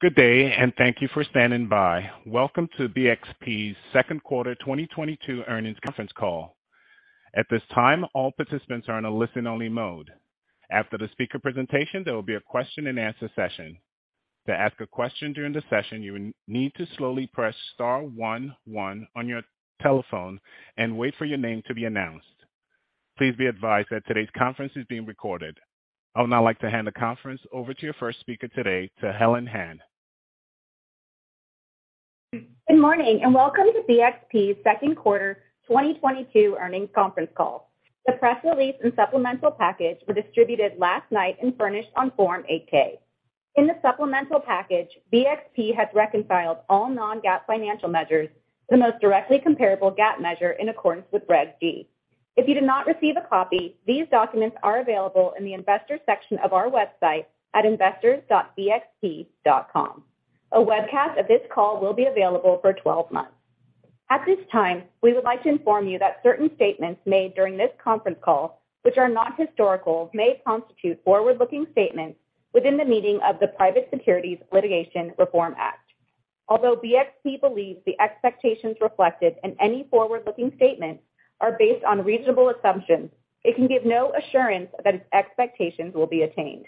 Good day, and thank you for standing by. Welcome to BXP's second quarter 2022 earnings conference call. At this time, all participants are in a listen-only mode. After the speaker presentation, there will be a question-and-answer session. To ask a question during the session, you need to slowly press star one one on your telephone and wait for your name to be announced. Please be advised that today's conference is being recorded. I would now like to hand the conference over to your first speaker today, to Helen Han. Good morning, and welcome to BXP's second quarter 2022 earnings conference call. The press release and supplemental package were distributed last night and furnished on Form 8-K. In the supplemental package, BXP has reconciled all non-GAAP financial measures to the most directly comparable GAAP measure in accordance with Regulation G. If you did not receive a copy, these documents are available in the Investors section of our website at investors.bxp.com. A webcast of this call will be available for 12 months. At this time, we would like to inform you that certain statements made during this conference call, which are not historical, may constitute forward-looking statements within the meaning of the Private Securities Litigation Reform Act. Although BXP believes the expectations reflected in any forward-looking statements are based on reasonable assumptions, it can give no assurance that its expectations will be attained.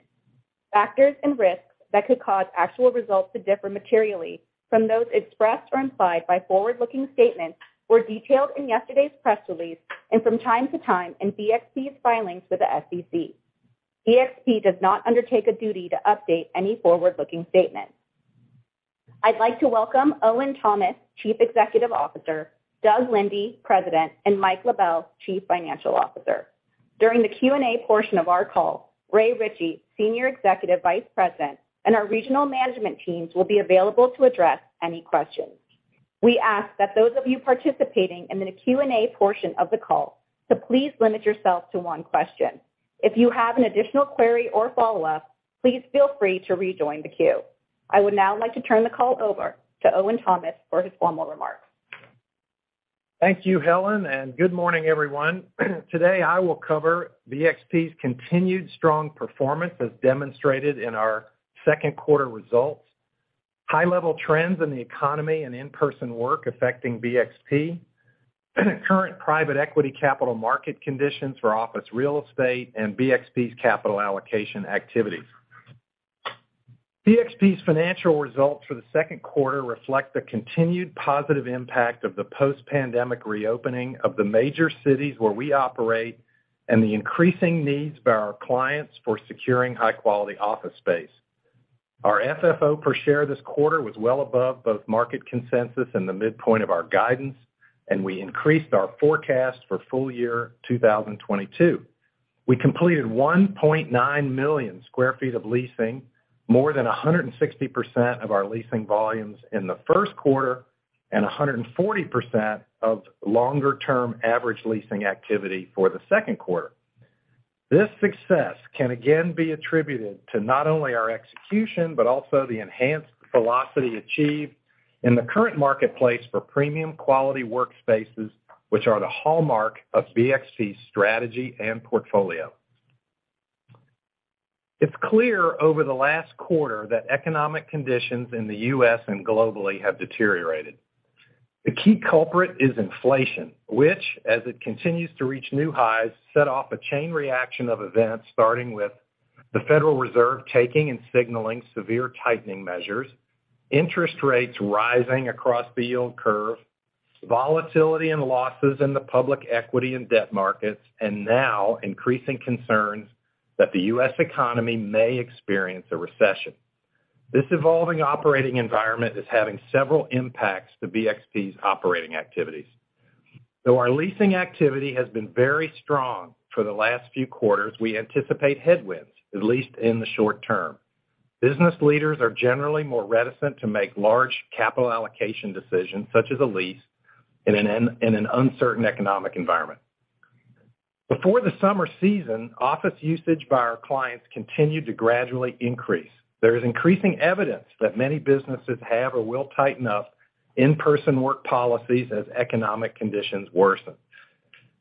Factors and risks that could cause actual results to differ materially from those expressed or implied by forward-looking statements were detailed in yesterday's press release and from time to time in BXP's filings with the SEC. BXP does not undertake a duty to update any forward-looking statement. I'd like to welcome Owen Thomas, Chief Executive Officer, Doug Linde, President, and Mike LaBelle, Chief Financial Officer. During the Q&A portion of our call, Ray Ritchey, Senior Executive Vice President, and our regional management teams will be available to address any questions. We ask that those of you participating in the Q&A portion of the call to please limit yourself to one question. If you have an additional query or follow-up, please feel free to rejoin the queue. I would now like to turn the call over to Owen Thomas for his formal remarks. Thank you, Helen, and good morning, everyone. Today, I will cover BXP's continued strong performance as demonstrated in our second quarter results, high-level trends in the economy and in-person work affecting BXP, current private equity capital market conditions for office real estate, and BXP's capital allocation activities. BXP's financial results for the second quarter reflect the continued positive impact of the post-pandemic reopening of the major cities where we operate and the increasing needs of our clients for securing high-quality office space. Our FFO per share this quarter was well above both market consensus and the midpoint of our guidance, and we increased our forecast for full year 2022. We completed 1.9 million sq ft of leasing, more than 160% of our leasing volumes in the first quarter, and 140% of longer-term average leasing activity for the second quarter. This success can again be attributed to not only our execution, but also the enhanced velocity achieved in the current marketplace for premium quality workspaces, which are the hallmark of BXP's strategy and portfolio. It's clear over the last quarter that economic conditions in the U.S. and globally have deteriorated. The key culprit is inflation, which, as it continues to reach new highs, set off a chain reaction of events starting with the Federal Reserve taking and signaling severe tightening measures, interest rates rising across the yield curve, volatility and losses in the public equity and debt markets, and now increasing concerns that the U.S. economy may experience a recession. This evolving operating environment is having several impacts to BXP's operating activities. Though our leasing activity has been very strong for the last few quarters, we anticipate headwinds, at least in the short term. Business leaders are generally more reticent to make large capital allocation decisions, such as a lease, in an uncertain economic environment. Before the summer season, office usage by our clients continued to gradually increase. There is increasing evidence that many businesses have or will tighten up in-person work policies as economic conditions worsen.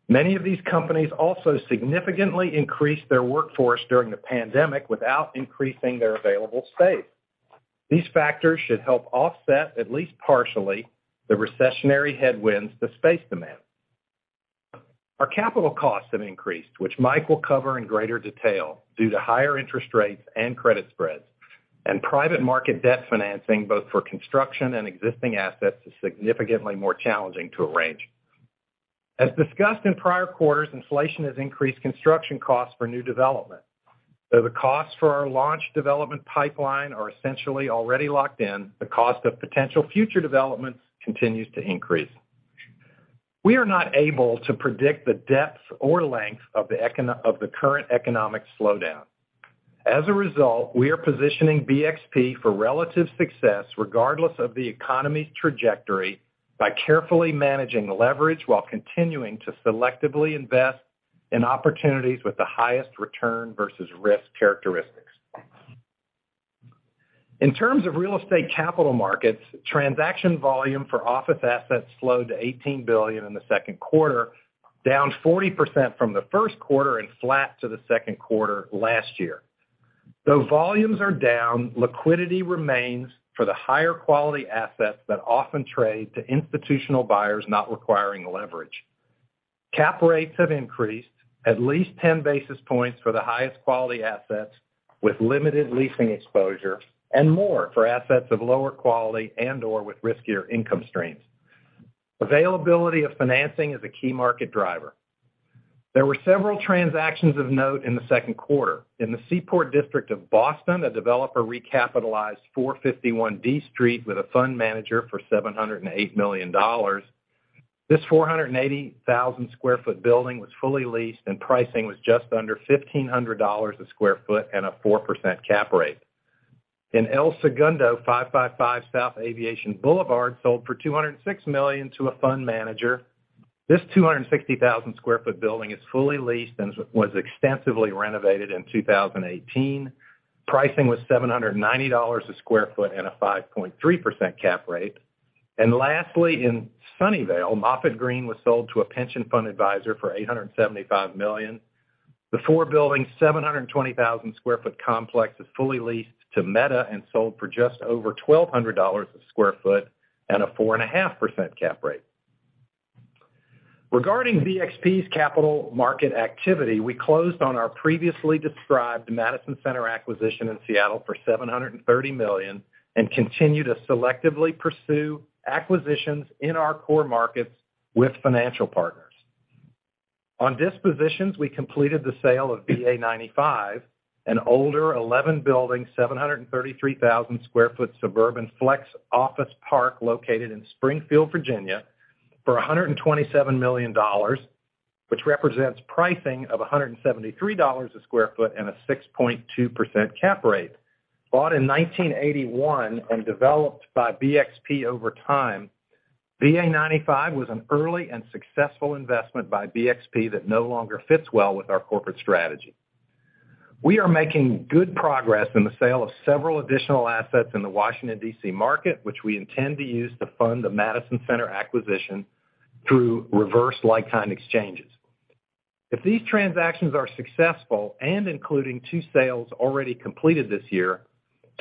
Many of these companies also significantly increased their workforce during the pandemic without increasing their available space. These factors should help offset, at least partially, the recessionary headwinds to space demand. Our capital costs have increased, which Mike will cover in greater detail, due to higher interest rates and credit spreads, and private market debt financing, both for construction and existing assets, is significantly more challenging to arrange. As discussed in prior quarters, inflation has increased construction costs for new development. Though the costs for our launch development pipeline are essentially already locked in, the cost of potential future developments continues to increase. We are not able to predict the depth or length of the current economic slowdown. As a result, we are positioning BXP for relative success regardless of the economy's trajectory by carefully managing leverage while continuing to selectively invest in opportunities with the highest return versus risk characteristics. In terms of real estate capital markets, transaction volume for office assets slowed to $18 billion in the second quarter. Down 40% from the first quarter and flat to the second quarter last year. Though volumes are down, liquidity remains for the higher quality assets that often trade to institutional buyers not requiring leverage. Cap rates have increased at least 10 basis points for the highest quality assets with limited leasing exposure and more for assets of lower quality and/or with riskier income streams. Availability of financing is a key market driver. There were several transactions of note in the second quarter. In the Seaport District of Boston, a developer recapitalized 451 D Street with a fund manager for $708 million. This 480,000 sq ft building was fully leased and pricing was just under $1,500 a sq ft and a 4% cap rate. In El Segundo, 555 South Aviation Boulevard sold for $206 million to a fund manager. This 260,000 sq ft building is fully leased and was extensively renovated in 2018. Pricing was $790 a sq ft and a 5.3% cap rate. Lastly, in Sunnyvale, Moffett Green was sold to a pension fund advisor for $875 million. The 4-building, 720,000 sq ft complex is fully leased to Meta and sold for just over $1,200 a sq ft at a 4.5% cap rate. Regarding BXP's capital market activity, we closed on our previously described Madison Center acquisition in Seattle for $730 million and continue to selectively pursue acquisitions in our core markets with financial partners. On dispositions, we completed the sale of VA 95, an older 11-building, 733,000 sq ft suburban flex office park located in Springfield, Virginia for $127 million, which represents pricing of $173 a sq ft and a 6.2% cap rate. Bought in 1981 and developed by BXP over time, VA 95 was an early and successful investment by BXP that no longer fits well with our corporate strategy. We are making good progress in the sale of several additional assets in the Washington, D.C. market, which we intend to use to fund the Madison Center acquisition through reverse like-kind exchanges. If these transactions are successful and including two sales already completed this year,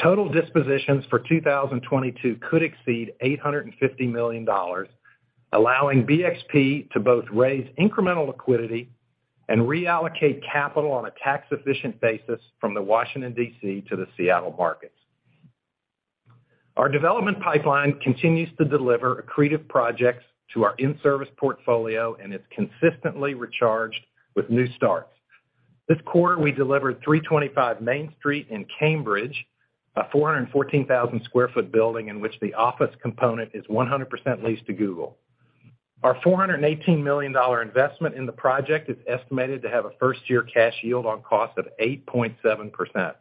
total dispositions for 2022 could exceed $850 million, allowing BXP to both raise incremental liquidity and reallocate capital on a tax efficient basis from the Washington, D.C. to the Seattle markets. Our development pipeline continues to deliver accretive projects to our in-service portfolio and is consistently recharged with new starts. This quarter, we delivered 325 Main Street in Cambridge, a 414,000 sq ft building in which the office component is 100% leased to Google. Our $418 million investment in the project is estimated to have a first year cash yield on cost of 8.7%.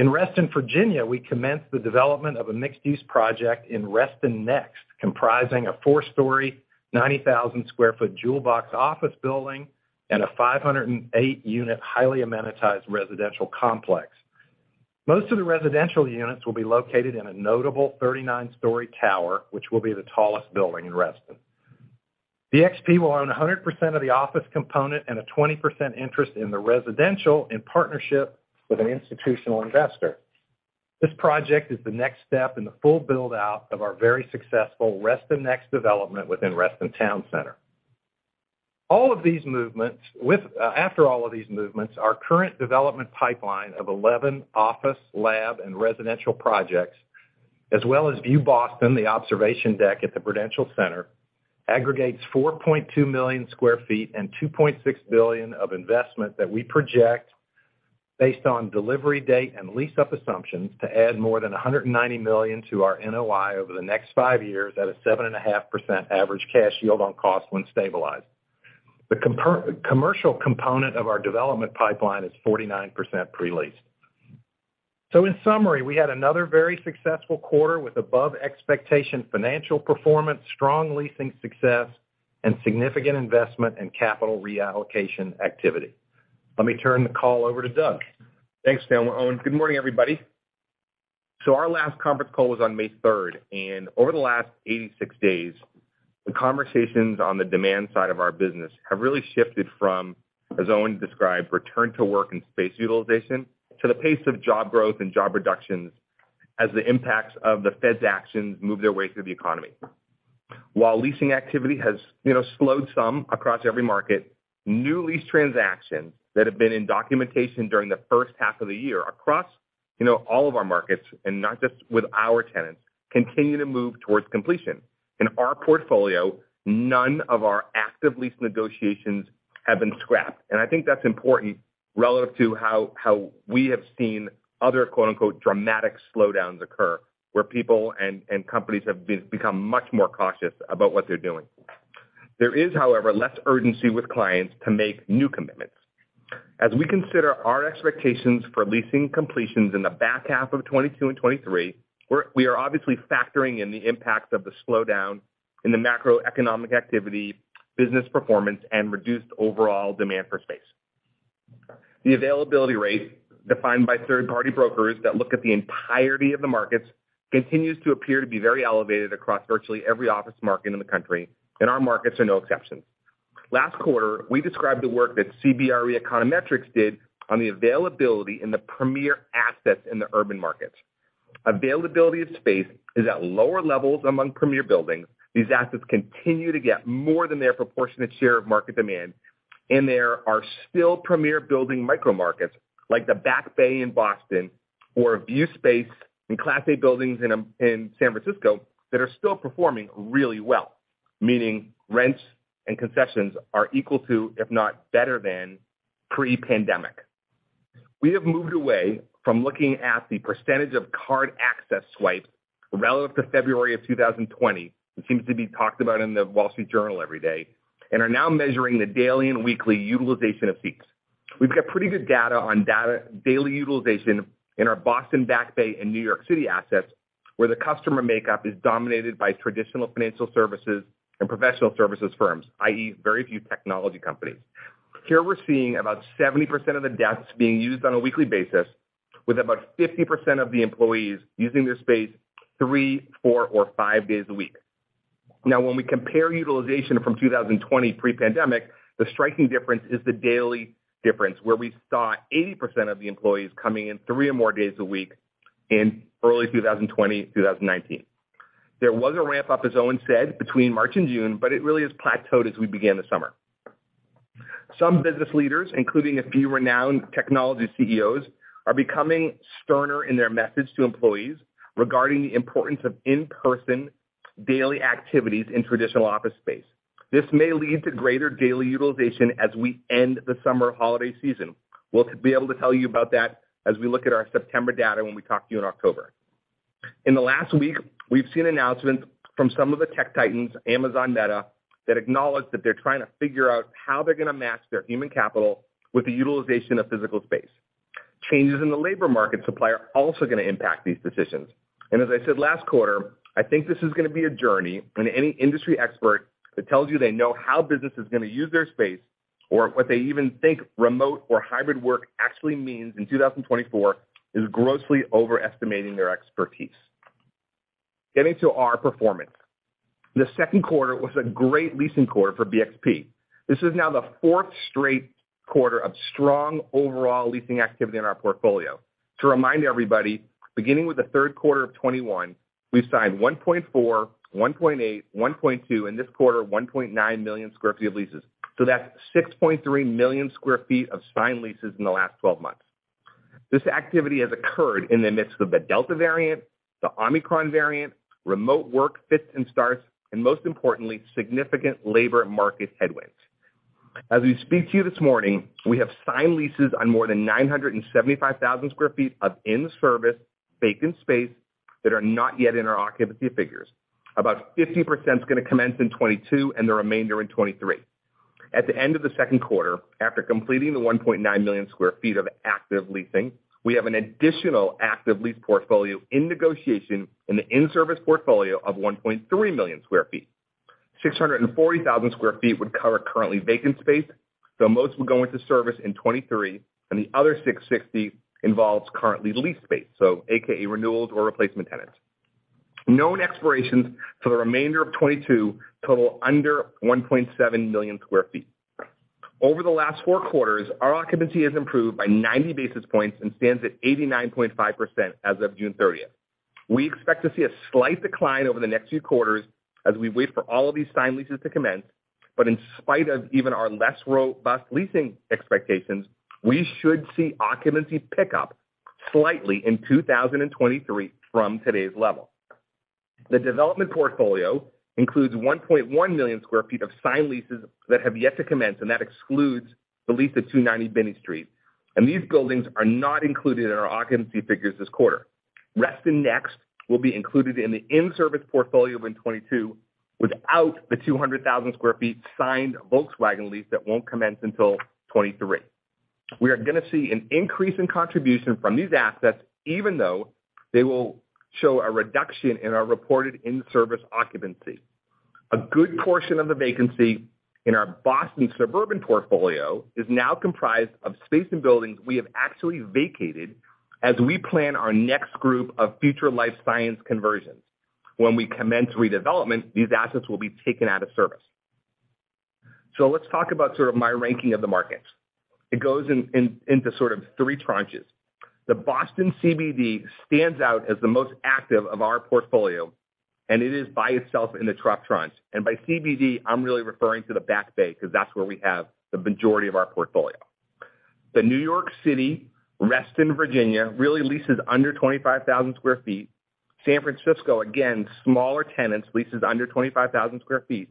In Reston, Virginia, we commenced the development of a mixed-use project in RTC Next, comprising a 4-story, 90,000 sq ft jewel box office building and a 508-unit highly amenitized residential complex. Most of the residential units will be located in a notable 39-story tower, which will be the tallest building in Reston. BXP will own 100% of the office component and a 20% interest in the residential in partnership with an institutional investor. This project is the next step in the full build out of our very successful RTC Next development within Reston Town Center. After all of these movements, our current development pipeline of 11 office, lab, and residential projects, as well as View Boston, the observation deck at the Prudential Center, aggregates 4.2 million sq ft and $2.6 billion of investment that we project based on delivery date and lease up assumptions to add more than $190 million to our NOI over the next five years at a 7.5% average cash yield on cost when stabilized. The commercial component of our development pipeline is 49% pre-leased. In summary, we had another very successful quarter with above expectation financial performance, strong leasing success, and significant investment in capital reallocation activity. Let me turn the call over to Doug. Thanks, Owen. Well, Owen, good morning, everybody. Our last conference call was on May 3rd, and over the last 86 days, the conversations on the demand side of our business have really shifted from, as Owen described, return to work and space utilization to the pace of job growth and job reductions as the impacts of the Fed's actions move their way through the economy. While leasing activity has, you know, slowed some across every market, new lease transactions that have been in documentation during the first half of the year across, you know, all of our markets and not just with our tenants, continue to move towards completion. In our portfolio, none of our active lease negotiations have been scrapped, and I think that's important relative to how we have seen other, quote-unquote, dramatic slowdowns occur where people and companies have become much more cautious about what they're doing. There is, however, less urgency with clients to make new commitments. As we consider our expectations for leasing completions in the back half of 2022 and 2023, we are obviously factoring in the impacts of the slowdown in the macroeconomic activity, business performance, and reduced overall demand for space. The availability rate defined by third party brokers that look at the entirety of the markets, continues to appear to be very elevated across virtually every office market in the country, and our markets are no exception. Last quarter, we described the work that CBRE Econometrics did on the availability in the premier assets in the urban markets. Availability of space is at lower levels among premier buildings. These assets continue to get more than their proportionate share of market demand, and there are still premier building micro markets like the Back Bay in Boston or view space in class A buildings in San Francisco that are still performing really well. Meaning rents and concessions are equal to, if not better than pre-pandemic. We have moved away from looking at the percentage of card access swipes relative to February of 2020. It seems to be talked about in The Wall Street Journal every day, and we're now measuring the daily and weekly utilization of seats. We've got pretty good data on daily utilization in our Boston Back Bay and New York City assets, where the customer makeup is dominated by traditional financial services and professional services firms, i.e., very few technology companies. Here we're seeing about 70% of the desks being used on a weekly basis, with about 50% of the employees using their space three, four or five days a week. Now, when we compare utilization from 2020 pre-pandemic, the striking difference is the daily difference where we saw 80% of the employees coming in three or more days a week in early 2020, 2019. There was a ramp up, as Owen said, between March and June, but it really has plateaued as we began the summer. Some business leaders, including a few renowned technology CEOs, are becoming sterner in their message to employees regarding the importance of in-person daily activities in traditional office space. This may lead to greater daily utilization as we end the summer holiday season. We'll be able to tell you about that as we look at our September data when we talk to you in October. In the last week, we've seen announcements from some of the tech titans, Amazon, Meta, that acknowledge that they're trying to figure out how they're going to match their human capital with the utilization of physical space. Changes in the labor market supply are also going to impact these decisions. As I said last quarter, I think this is going to be a journey and any industry expert that tells you they know how business is going to use their space or what they even think remote or hybrid work actually means in 2024, is grossly overestimating their expertise. Getting to our performance. The second quarter was a great leasing quarter for BXP. This is now the fourth straight quarter of strong overall leasing activity in our portfolio. To remind everybody, beginning with the third quarter of 2021, we've signed 1.4, 1.8, 1.2, in this quarter, 1.9 million sq ft of leases. That's 6.3 million sq ft of signed leases in the last 12 months. This activity has occurred in the midst of the Delta variant, the Omicron variant, remote work fits and starts, and most importantly, significant labor market headwinds. As we speak to you this morning, we have signed leases on more than 975,000 sq ft of in-service vacant space that are not yet in our occupancy figures. About 50% is going to commence in 2022 and the remainder in 2023. At the end of the second quarter, after completing the 1.9 million sq ft of active leasing, we have an additional active lease portfolio in negotiation in the in-service portfolio of 1.3 million sq ft. 640,000 sq ft would cover currently vacant space, so most will go into service in 2023 and the other 660,000 sq ft involves currently leased space, so AKA renewals or replacement tenants. Known expirations for the remainder of 2022 total under 1.7 million sq ft. Over the last four quarters, our occupancy has improved by 90 basis points and stands at 89.5% as of June 30. We expect to see a slight decline over the next few quarters as we wait for all of these signed leases to commence. In spite of even our less robust leasing expectations, we should see occupancy pick up slightly in 2023 from today's level. The development portfolio includes 1.1 million sq ft of signed leases that have yet to commence, and that excludes the lease of 290 Binney Street. These buildings are not included in our occupancy figures this quarter. RTC Next will be included in the in-service portfolio in 2022 without the 200,000 sq ft signed Volkswagen lease that won't commence until 2023. We are gonna see an increase in contribution from these assets even though they will show a reduction in our reported in-service occupancy. A good portion of the vacancy in our Boston suburban portfolio is now comprised of space and buildings we have actually vacated as we plan our next group of future life science conversions. When we commence redevelopment, these assets will be taken out of service. Let's talk about sort of my ranking of the markets. It goes into sort of three tranches. The Boston CBD stands out as the most active of our portfolio, and it is by itself in the top tranche. By CBD, I'm really referring to the Back Bay because that's where we have the majority of our portfolio. The New York City, Reston, Virginia, really leases under 25,000 sq ft. San Francisco, again, smaller tenants, leases under 25,000 sq ft.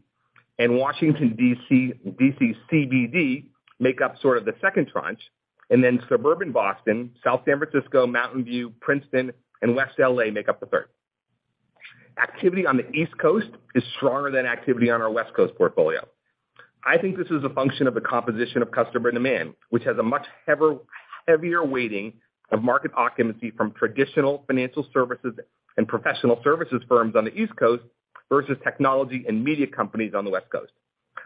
Washington, D.C., D.C. CBD make up sort of the second tranche. Then suburban Boston, South San Francisco, Mountain View, Princeton and West L.A. make up the third. Activity on the East Coast is stronger than activity on our West Coast portfolio. I think this is a function of the composition of customer demand, which has a much heavier weighting of market occupancy from traditional financial services and professional services firms on the East Coast versus technology and media companies on the West Coast.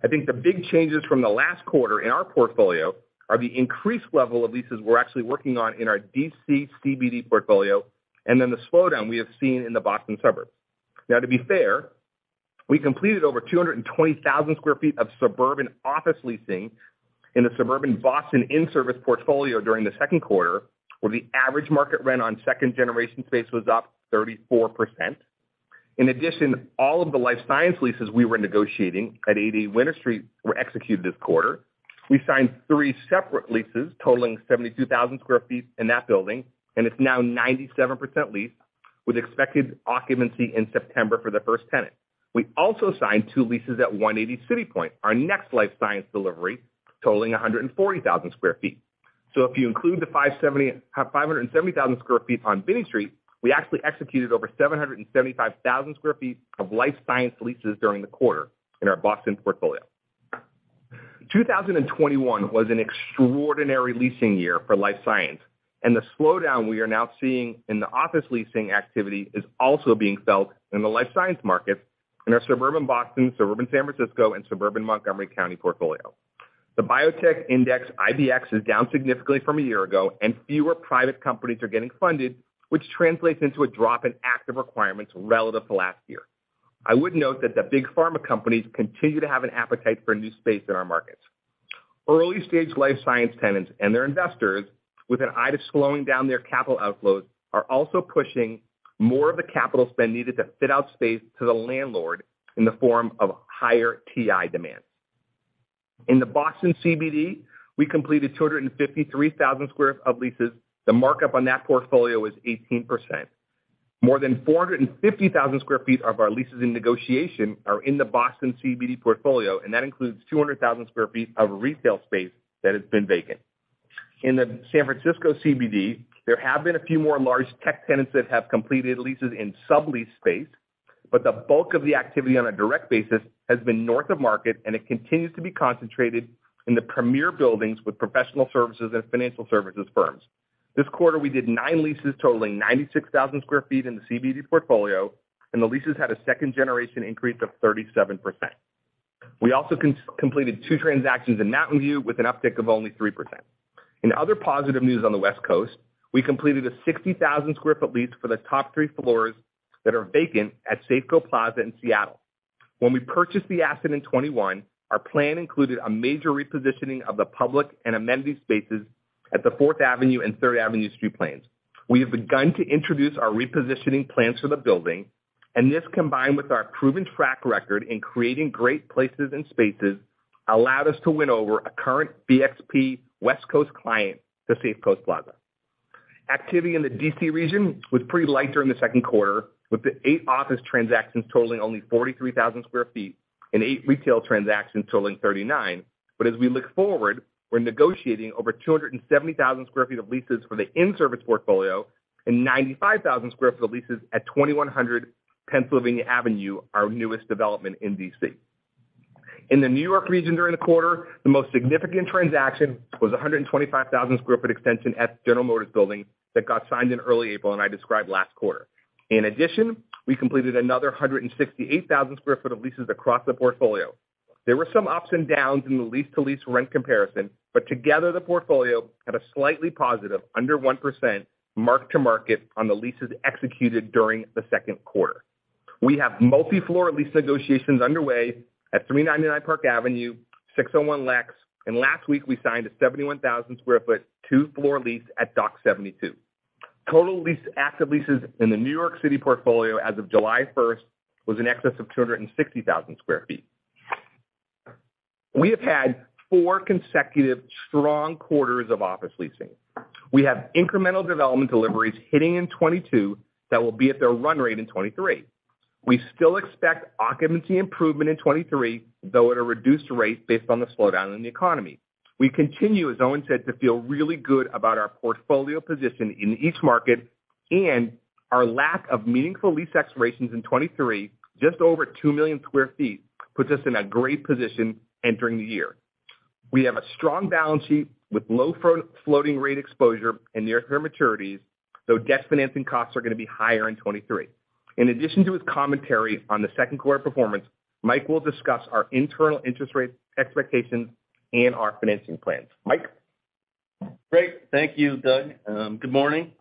I think the big changes from the last quarter in our portfolio are the increased level of leases we're actually working on in our D.C. CBD portfolio, and then the slowdown we have seen in the Boston suburbs. Now, to be fair, we completed over 220,000 sq ft of suburban office leasing in the suburban Boston in-service portfolio during the second quarter, where the average market rent on second-generation space was up 34%. In addition, all of the life science leases we were negotiating at 80 Winter Street were executed this quarter. We signed three separate leases totaling 72,000 sq ft in that building, and it's now 97% leased with expected occupancy in September for the first tenant. We also signed two leases at 180 City Point, our next life science delivery, totaling 140,000 sq ft. If you include the 570,000 sq ft on Binney Street, we actually executed over 775,000 sq ft of life science leases during the quarter in our Boston portfolio. 2021 was an extraordinary leasing year for life science, and the slowdown we are now seeing in the office leasing activity is also being felt in the life science market in our suburban Boston, suburban San Francisco, and suburban Montgomery County portfolio. The Biotech Index, IBX, is down significantly from a year ago, and fewer private companies are getting funded, which translates into a drop in active requirements relative to last year. I would note that the big pharma companies continue to have an appetite for new space in our markets. Early-stage life science tenants and their investors with an eye to slowing down their capital outflows are also pushing more of the capital spend needed to fit out space to the landlord in the form of higher TI demand. In the Boston CBD, we completed 253,000 sq ft of leases. The markup on that portfolio is 18%. More than 450,000 sq ft of our leases in negotiation are in the Boston CBD portfolio, and that includes 200,000 sq ft of retail space that has been vacant. In the San Francisco CBD, there have been a few more large tech tenants that have completed leases in sublease space, but the bulk of the activity on a direct basis has been north of market, and it continues to be concentrated in the premier buildings with professional services and financial services firms. This quarter, we did nine leases totaling 96,000 sq ft in the CBD portfolio, and the leases had a second-generation increase of 37%. We also completed two transactions in Mountain View with an uptick of only 3%. In other positive news on the West Coast, we completed a 60,000 sq ft lease for the top three floors that are vacant at Safeco Plaza in Seattle. When we purchased the asset in 2021, our plan included a major repositioning of the public and amenity spaces at the Fourth Avenue and Third Avenue street planes. We have begun to introduce our repositioning plans for the building, and this, combined with our proven track record in creating great places and spaces, allowed us to win over a current BXP West Coast client to Safeco Plaza. Activity in the D.C. region was pretty light during the second quarter, with the 8 office transactions totaling only 43,000 sq ft and eight retail transactions totaling 39. As we look forward, we're negotiating over 270,000 sq ft of leases for the in-service portfolio and 95,000 sq ft of leases at 2100 Pennsylvania Avenue, our newest development in D.C. In the New York region during the quarter, the most significant transaction was a 125,000 sq ft extension at the General Motors Building that got signed in early April, and I described last quarter. In addition, we completed another 168,000 sq ft of leases across the portfolio. There were some ups and downs in the lease-to-lease rent comparison, but together, the portfolio had a slightly positive, under 1%, mark-to-market on the leases executed during the second quarter. We have multi-floor lease negotiations underway at 399 Park Avenue, 601 Lex, and last week we signed a 71,000 sq ft, two-floor lease at Dock 72. Total active leases in the New York City portfolio as of July 1st was in excess of 260,000 sq ft. We have had four consecutive strong quarters of office leasing. We have incremental development deliveries hitting in 2022 that will be at their run rate in 2023. We still expect occupancy improvement in 2023, though at a reduced rate based on the slowdown in the economy. We continue, as Owen said, to feel really good about our portfolio position in each market and our lack of meaningful lease expirations in 2023. Just over 2 million sq ft puts us in a great position entering the year. We have a strong balance sheet with low floating rate exposure and near-term maturities, though debt financing costs are going to be higher in 2023. In addition to his commentary on the second quarter performance, Mike will discuss our internal interest rate expectations and our financing plans. Mike? Great. Thank you, Doug. Good morning.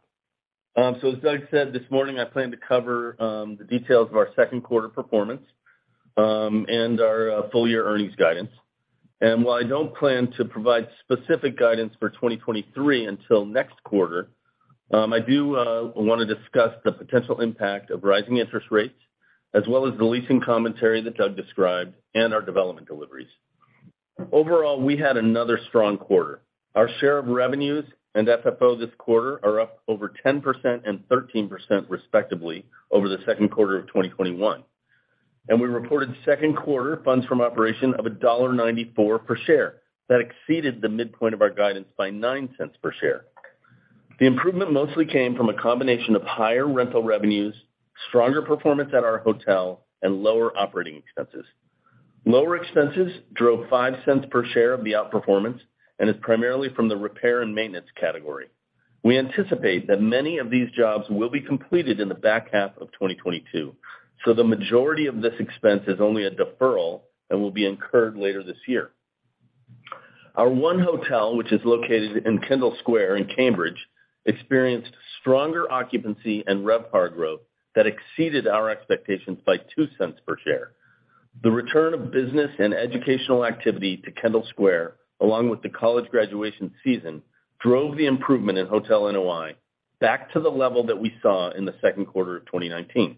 As Doug said this morning, I plan to cover the details of our second quarter performance and our full year earnings guidance. While I don't plan to provide specific guidance for 2023 until next quarter, I do want to discuss the potential impact of rising interest rates, as well as the leasing commentary that Doug described and our development deliveries. Overall, we had another strong quarter. Our share of revenues and FFO this quarter are up over 10% and 13% respectively over the second quarter of 2021. We reported second quarter funds from operations of $1.94 per share. That exceeded the midpoint of our guidance by $0.09 per share. The improvement mostly came from a combination of higher rental revenues, stronger performance at our hotel, and lower operating expenses. Lower expenses drove $0.05 per share of the outperformance, and is primarily from the repair and maintenance category. We anticipate that many of these jobs will be completed in the back half of 2022. The majority of this expense is only a deferral and will be incurred later this year. Our one hotel, which is located in Kendall Square in Cambridge, experienced stronger occupancy and RevPAR growth that exceeded our expectations by $0.02 per share. The return of business and educational activity to Kendall Square, along with the college graduation season, drove the improvement in hotel NOI back to the level that we saw in the second quarter of 2019.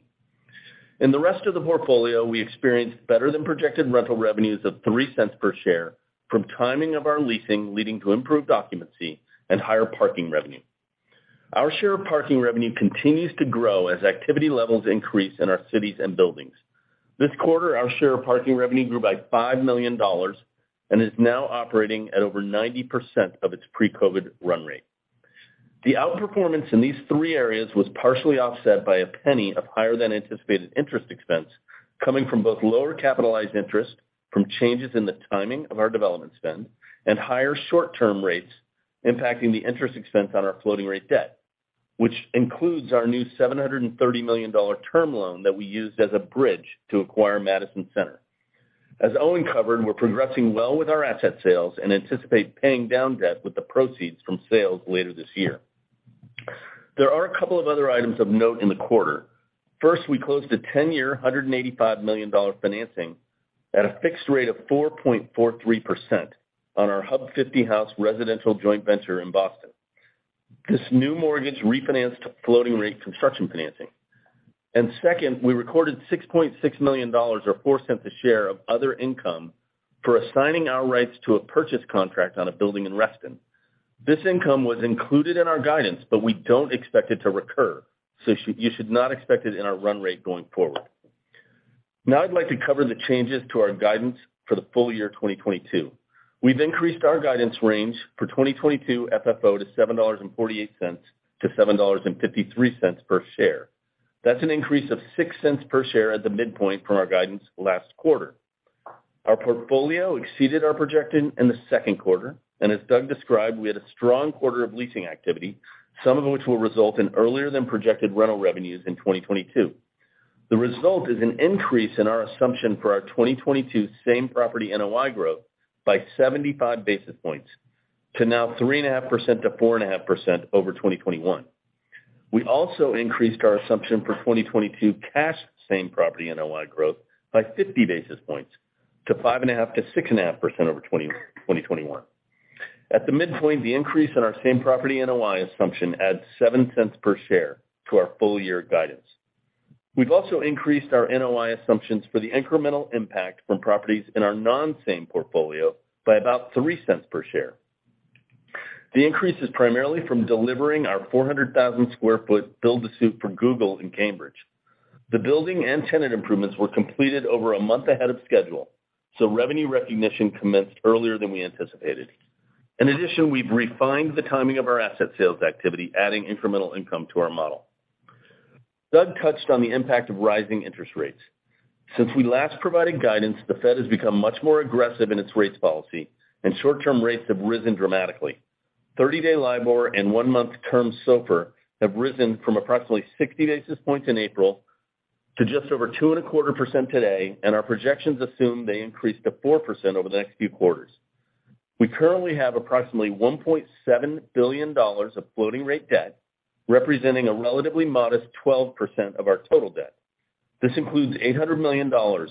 In the rest of the portfolio, we experienced better than projected rental revenues of $0.03 per share from timing of our leasing leading to improved occupancy and higher parking revenue. Our share of parking revenue continues to grow as activity levels increase in our cities and buildings. This quarter, our share of parking revenue grew by $5 million and is now operating at over 90% of its pre-COVID run rate. The outperformance in these three areas was partially offset by $0.01 of higher than anticipated interest expense coming from both lower capitalized interest from changes in the timing of our development spend and higher short-term rates impacting the interest expense on our floating rate debt, which includes our new $730 million term loan that we used as a bridge to acquire Madison Center. As Owen covered, we're progressing well with our asset sales and anticipate paying down debt with the proceeds from sales later this year. There are a couple of other items of note in the quarter. First, we closed a 10-year, $185 million financing at a fixed rate of 4.43% on our Hub 50 House residential joint venture in Boston. This new mortgage refinanced floating rate construction financing. Second, we recorded $6.6 million or $0.04 a share of other income for assigning our rights to a purchase contract on a building in Reston. This income was included in our guidance, but we don't expect it to recur, so you should not expect it in our run rate going forward. Now I'd like to cover the changes to our guidance for the full year 2022. We've increased our guidance range for 2022 FFO to $7.48-$7.53 per share. That's an increase of $0.06 per share at the midpoint from our guidance last quarter. Our portfolio exceeded our projection in the second quarter, and as Doug described, we had a strong quarter of leasing activity, some of which will result in earlier than projected rental revenues in 2022. The result is an increase in our assumption for our 2022 same-property NOI growth by 75 basis points to now 3.5%-4.5% over 2021. We also increased our assumption for 2022 cash same-property NOI growth by 50 basis points to 5.5%-6.5% over 2021. At the midpoint, the increase in our same-property NOI assumption adds $0.07 per share to our full year guidance. We've also increased our NOI assumptions for the incremental impact from properties in our non-same portfolio by about $0.03 per share. The increase is primarily from delivering our 400,000 sq ft build-to-suit for Google in Cambridge. The building and tenant improvements were completed over a month ahead of schedule, so revenue recognition commenced earlier than we anticipated. In addition, we've refined the timing of our asset sales activity, adding incremental income to our model. Doug touched on the impact of rising interest rates. Since we last provided guidance, the Fed has become much more aggressive in its rates policy, and short-term rates have risen dramatically. 30-day LIBOR and one-month term SOFR have risen from approximately 60 basis points in April to just over 2.25% today, and our projections assume they increase to 4% over the next few quarters. We currently have approximately $1.7 billion of floating rate debt, representing a relatively modest 12% of our total debt. This includes $800 million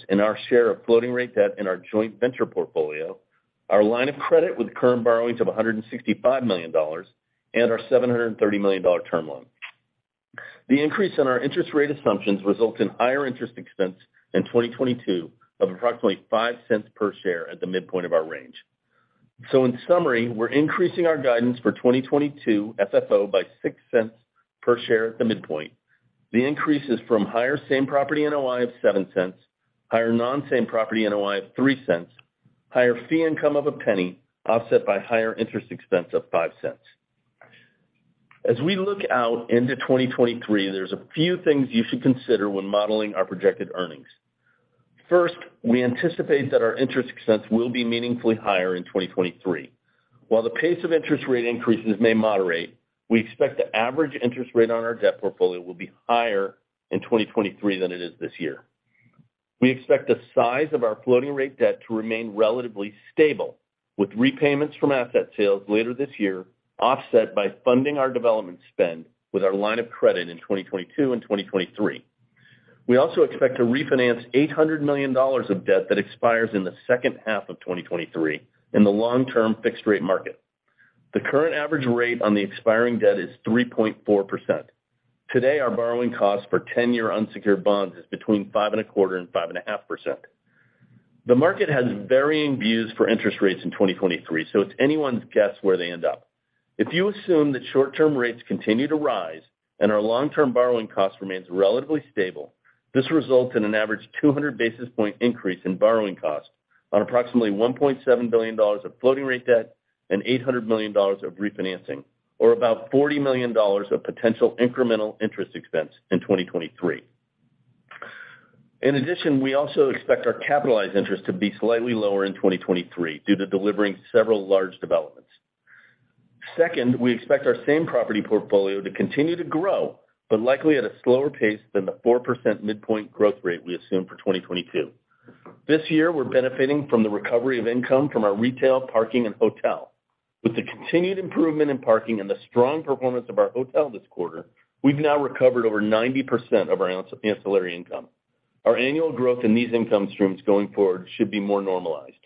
in our share of floating rate debt in our joint venture portfolio, our line of credit with current borrowings of $165 million, and our $730 million term loan. The increase in our interest rate assumptions result in higher interest expense in 2022 of approximately $0.05 per share at the midpoint of our range. In summary, we're increasing our guidance for 2022 FFO by $0.06 per share at the midpoint. The increase is from higher same-property NOI of $0.07, higher non same-property NOI of $0.03, higher fee income of $0.01, offset by higher interest expense of $0.05. As we look out into 2023, there's a few things you should consider when modeling our projected earnings. First, we anticipate that our interest expense will be meaningfully higher in 2023. While the pace of interest rate increases may moderate, we expect the average interest rate on our debt portfolio will be higher in 2023 than it is this year. We expect the size of our floating rate debt to remain relatively stable, with repayments from asset sales later this year offset by funding our development spend with our line of credit in 2022 and 2023. We also expect to refinance $800 million of debt that expires in the second half of 2023 in the long-term fixed rate market. The current average rate on the expiring debt is 3.4%. Today, our borrowing cost for ten-year unsecured bonds is between 5.25% and 5.5%. The market has varying views for interest rates in 2023, so it's anyone's guess where they end up. If you assume that short-term rates continue to rise and our long-term borrowing cost remains relatively stable, this results in an average 200 basis point increase in borrowing cost. On approximately $1.7 billion of floating rate debt and $800 million of refinancing, or about $40 million of potential incremental interest expense in 2023. In addition, we also expect our capitalized interest to be slightly lower in 2023 due to delivering several large developments. Second, we expect our same-property portfolio to continue to grow, but likely at a slower pace than the 4% midpoint growth rate we assume for 2022. This year, we're benefiting from the recovery of income from our retail, parking, and hotel. With the continued improvement in parking and the strong performance of our hotel this quarter, we've now recovered over 90% of our ancillary income. Our annual growth in these income streams going forward should be more normalized.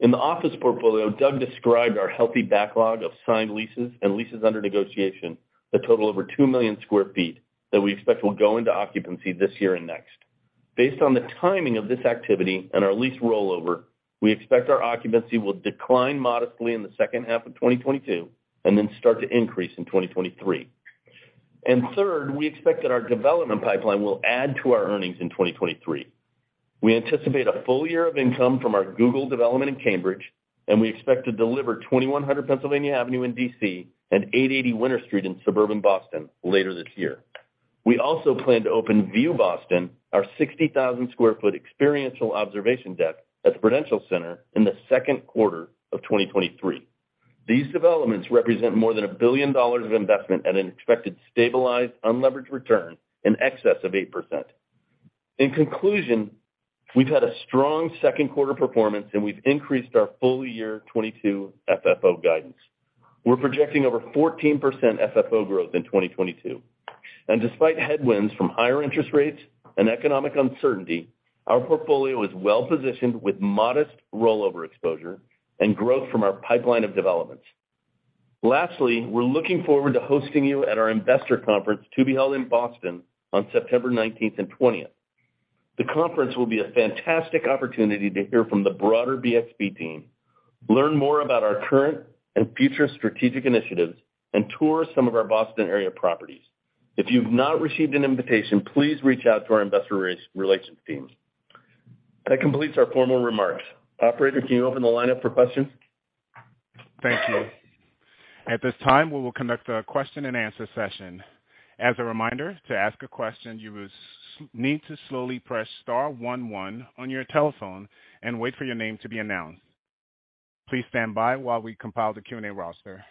In the office portfolio, Doug described our healthy backlog of signed leases and leases under negotiation that total over 2 million sq ft that we expect will go into occupancy this year and next. Based on the timing of this activity and our lease rollover, we expect our occupancy will decline modestly in the second half of 2022 and then start to increase in 2023. Third, we expect that our development pipeline will add to our earnings in 2023. We anticipate a full year of income from our Google development in Cambridge, and we expect to deliver 2100 Pennsylvania Avenue in D.C. and 880 Winter Street in suburban Boston later this year. We also plan to open View Boston, our 60,000 sq ft experiential observation deck at the Prudential Center in the second quarter of 2023. These developments represent more than $1 billion of investment at an expected stabilized unleveraged return in excess of 8%. In conclusion, we've had a strong second quarter performance, and we've increased our full year 2022 FFO guidance. We're projecting over 14% FFO growth in 2022. Despite headwinds from higher interest rates and economic uncertainty, our portfolio is well positioned with modest rollover exposure and growth from our pipeline of developments. Lastly, we're looking forward to hosting you at our investor conference to be held in Boston on September nineteenth and twentieth. The conference will be a fantastic opportunity to hear from the broader BXP team, learn more about our current and future strategic initiatives, and tour some of our Boston area properties. If you've not received an invitation, please reach out to our investor relations team. That completes our formal remarks. Operator, can you open the line up for questions? Thank you. At this time, we will conduct a question and answer session. As a reminder, to ask a question, you will need to slowly press star one one on your telephone and wait for your name to be announced. Please stand by while we compile the Q&A roster.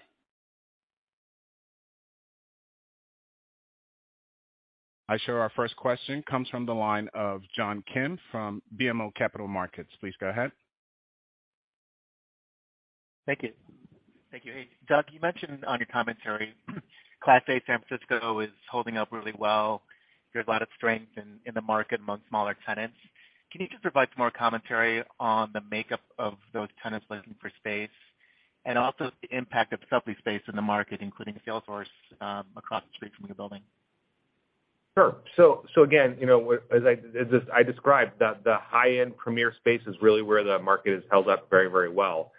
Our first question comes from the line of John Kim from BMO Capital Markets. Please go ahead. Thank you. Hey, Doug, you mentioned on your commentary, Class A San Francisco is holding up really well. There's a lot of strength in the market among smaller tenants. Can you just provide some more commentary on the makeup of those tenants leasing for space and also the impact of sublease space in the market, including Salesforce, across the street from your building? Sure. Again, you know, as I described, the high-end premier space is really where the market has held up very, very well.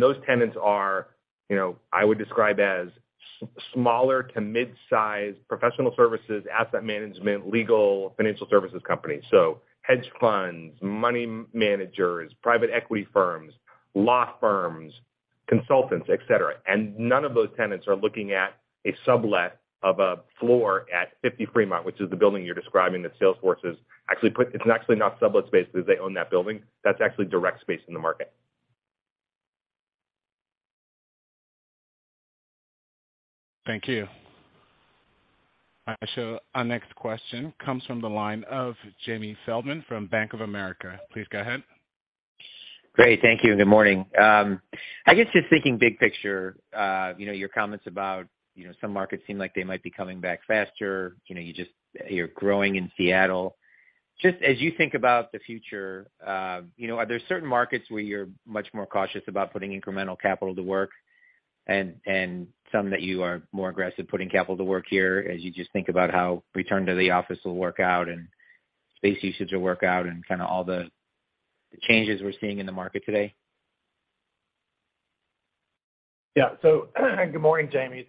Those tenants are, you know, I would describe as smaller to mid-size professional services, asset management, legal, financial services companies. Hedge funds, money managers, private equity firms, law firms, consultants, et cetera. None of those tenants are looking at a sublet of a floor at 50 Fremont, which is the building you're describing. It's actually not sublet space because they own that building. That's actually direct space in the market. Thank you. Our next question comes from the line of Jamie Feldman from Bank of America. Please go ahead. Great. Thank you and good morning. I guess just thinking big picture, you know, your comments about, you know, some markets seem like they might be coming back faster. You know, you just, you're growing in Seattle. Just as you think about the future, you know, are there certain markets where you're much more cautious about putting incremental capital to work and some that you are more aggressive putting capital to work here as you just think about how return to the office will work out and space usage will work out and kinda all the changes we're seeing in the market today? Yeah. Good morning, Jamie.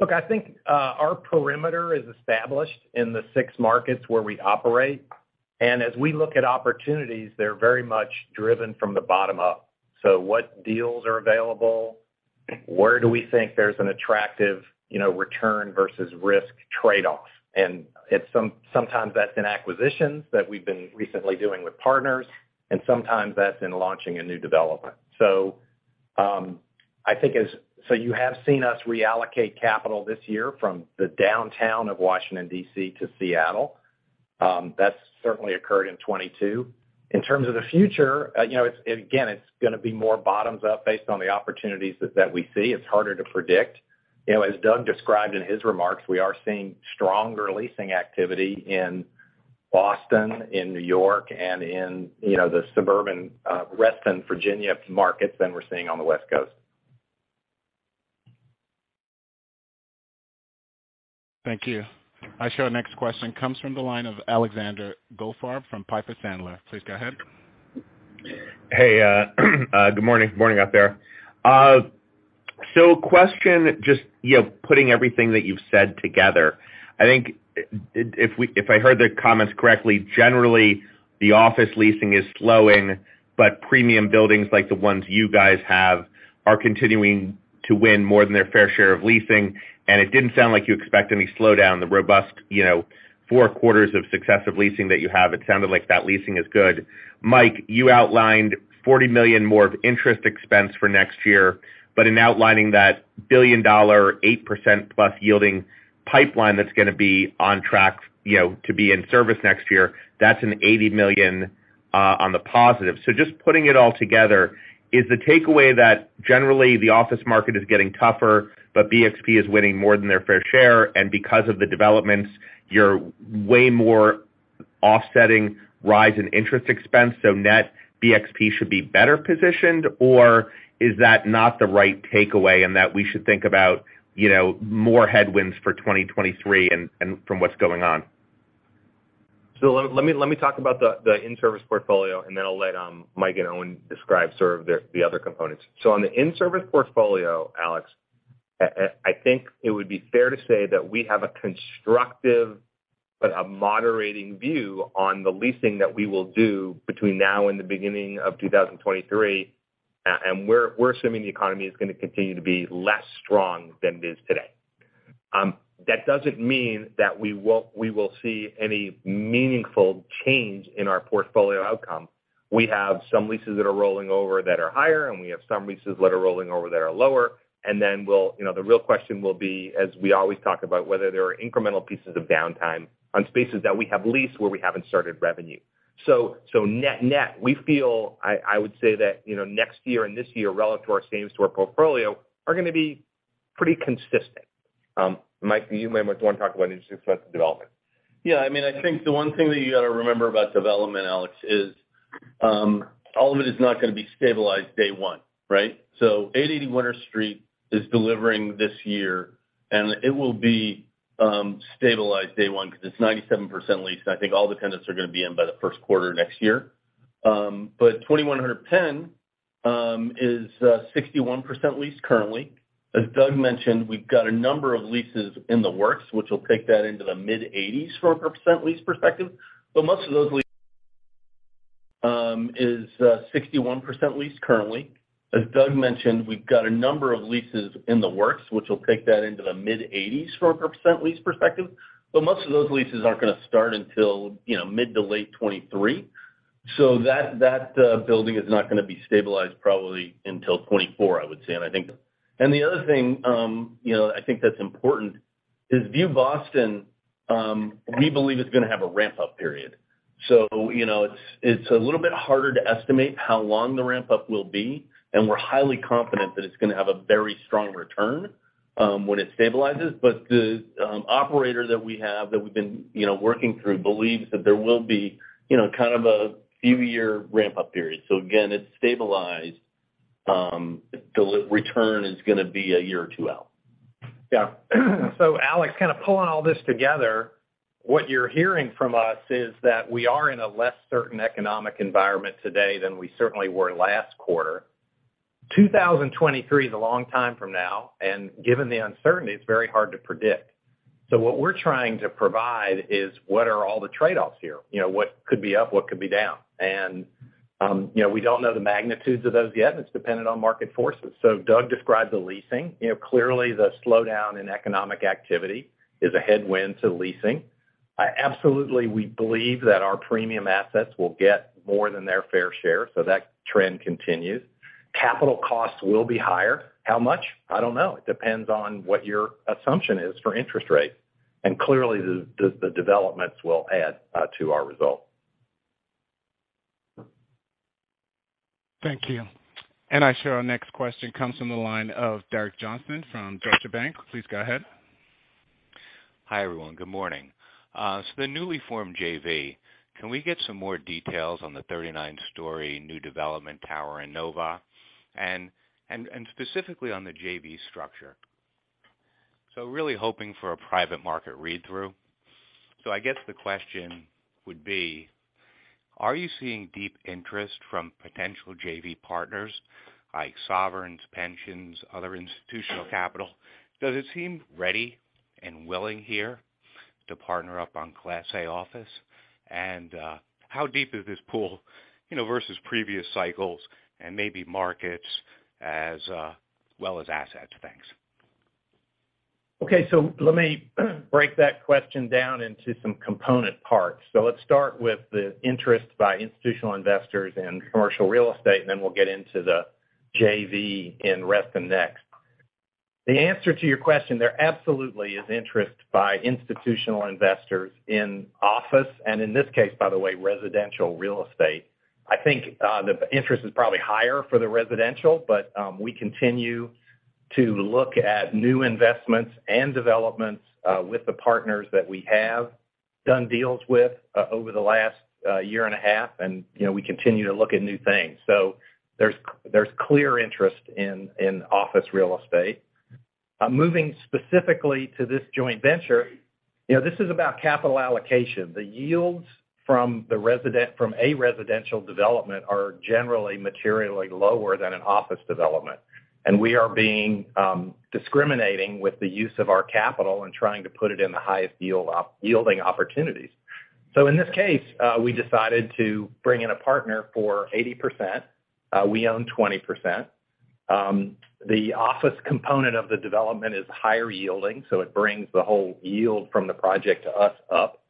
Look, I think our perimeter is established in the six markets where we operate. As we look at opportunities, they're very much driven from the bottom up. What deals are available? Where do we think there's an attractive, you know, return versus risk trade-off? It's sometimes that's in acquisitions that we've been recently doing with partners, and sometimes that's in launching a new development. I think you have seen us reallocate capital this year from the downtown of Washington, D.C. to Seattle. That's certainly occurred in 2022. In terms of the future, you know, it's, again, it's gonna be more bottoms up based on the opportunities that we see. It's harder to predict. You know, as Doug described in his remarks, we are seeing stronger leasing activity in Boston, in New York, and in, you know, the suburban Reston, Virginia markets than we're seeing on the West Coast. Thank you. I show our next question comes from the line of Alexander Goldfarb from Piper Sandler. Please go ahead. Hey, good morning. Morning out there. Question just, you know, putting everything that you've said together. I think if I heard the comments correctly, generally the office leasing is slowing, but premium buildings like the ones you guys have are continuing to win more than their fair share of leasing, and it didn't sound like you expect any slowdown. The robust, you know, four quarters of successive leasing that you have, it sounded like that leasing is good. Mike, you outlined $40 million more of interest expense for next year, but in outlining that $1 billion, 8%+ yielding pipeline that's gonna be on track, you know, to be in service next year, that's an $80 million on the positive. Just putting it all together, is the takeaway that generally the office market is getting tougher, but BXP is winning more than their fair share, and because of the developments, you're way more offsetting rise in interest expense, so net BXP should be better positioned? Or is that not the right takeaway and that we should think about, you know, more headwinds for 2023 and from what's going on? Let me talk about the in-service portfolio, and then I'll let Mike and Owen describe sort of the other components. On the in-service portfolio, Alex, I think it would be fair to say that we have a constructive but a moderating view on the leasing that we will do between now and the beginning of 2023. We're assuming the economy is gonna continue to be less strong than it is today. That doesn't mean that we will see any meaningful change in our portfolio outcome. We have some leases that are rolling over that are higher, and we have some leases that are rolling over that are lower. Then we'll, you know, the real question will be, as we always talk about, whether there are incremental pieces of downtime on spaces that we have leased where we haven't started revenue. So net-net, we feel, I would say that, you know, next year and this year relative to our same store portfolio are gonna be pretty consistent. Mike, you might want to talk about any successive development. Yeah. I mean, I think the one thing that you gotta remember about development, Alex, is all of it is not gonna be stabilized day one, right? 880 Winter Street is delivering this year, and it will be stabilized day one because it's 97% leased. I think all the tenants are gonna be in by the first quarter next year. 2100 Penn is 61% leased currently. As Doug mentioned, we've got a number of leases in the works, which will take that into the mid-80s from a percent leased perspective. Most of those leases aren't gonna start until, you know, mid- to late 2023. So that building is not gonna be stabilized probably until 2024, I would say. The other thing, you know, I think that's important is View Boston, we believe is gonna have a ramp-up period. So, you know, it's a little bit harder to estimate how long the ramp-up will be, and we're highly confident that it's gonna have a very strong return, when it stabilizes. But the operator that we have, that we've been, you know, working through believes that there will be, you know, kind of a few-year ramp-up period. So again, it's stabilized, the return is gonna be a year or two out. Yeah. Alex, kind of pulling all this together, what you're hearing from us is that we are in a less certain economic environment today than we certainly were last quarter. 2023 is a long time from now, and given the uncertainty, it's very hard to predict. What we're trying to provide is what are all the trade-offs here. You know, what could be up, what could be down. And, you know, we don't know the magnitudes of those yet, and it's dependent on market forces. Doug described the leasing. You know, clearly the slowdown in economic activity is a headwind to leasing. Absolutely we believe that our premium assets will get more than their fair share, so that trend continues. Capital costs will be higher. How much? I don't know. It depends on what your assumption is for interest rates. Clearly, the developments will add to our results. Thank you. I show our next question comes from the line of Derek Johnston from Deutsche Bank. Please go ahead. Hi, everyone. Good morning. The newly formed JV, can we get some more details on the 39-story new development tower in NoVA? Specifically on the JV structure. Really hoping for a private market read-through. I guess the question would be, are you seeing deep interest from potential JV partners like sovereigns, pensions, other institutional capital? Does it seem ready and willing here to partner up on class A office? How deep is this pool, you know, versus previous cycles and maybe markets as well as assets? Thanks. Okay. Let me break that question down into some component parts. Let's start with the interest by institutional investors in commercial real estate, and then we'll get into the JV in Reston next. The answer to your question, there absolutely is interest by institutional investors in office, and in this case, by the way, residential real estate. I think the interest is probably higher for the residential, but we continue to look at new investments and developments with the partners that we have done deals with over the last year and a half. You know, we continue to look at new things. There's clear interest in office real estate. Moving specifically to this joint venture, you know, this is about capital allocation. The yields from a residential development are generally materially lower than an office development, and we are being discriminating with the use of our capital and trying to put it in the highest yielding opportunities. In this case, we decided to bring in a partner for 80%. We own 20%. The office component of the development is higher yielding, so it brings the whole yield from the project to us up.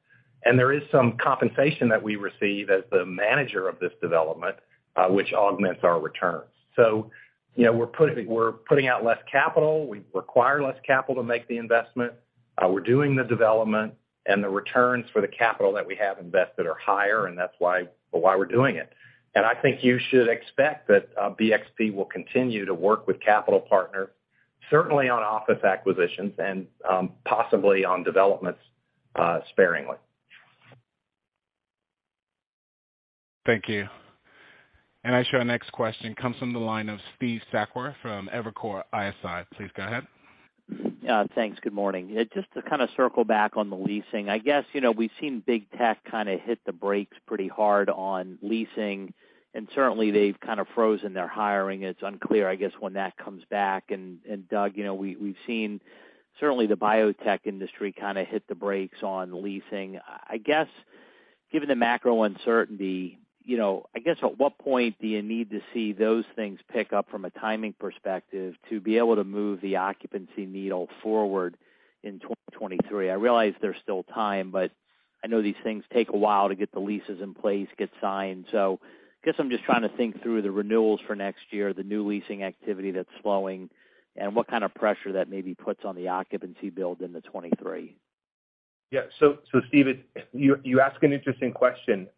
There is some compensation that we receive as the manager of this development, which augments our returns. You know, we're putting out less capital. We require less capital to make the investment. We're doing the development and the returns for the capital that we have invested are higher, and that's why we're doing it. I think you should expect that BXP will continue to work with capital partners, certainly on office acquisitions and possibly on developments sparingly. Thank you. Our next question comes from the line of Steve Sakwa from Evercore ISI. Please go ahead. Yeah, thanks. Good morning. Yeah, just to kind of circle back on the leasing. I guess, you know, we've seen big tech kind of hit the brakes pretty hard on leasing, and certainly they've kind of frozen their hiring. It's unclear, I guess, when that comes back. Doug, you know, we've seen certainly the biotech industry kind of hit the brakes on leasing. I guess, given the macro uncertainty, you know, I guess at what point do you need to see those things pick up from a timing perspective to be able to move the occupancy needle forward in 2023? I realize there's still time, but I know these things take a while to get the leases in place, get signed. I guess I'm just trying to think through the renewals for next year, the new leasing activity that's slowing, and what kind of pressure that maybe puts on the occupancy build into 2023. Yeah. Steve, you ask an interesting question,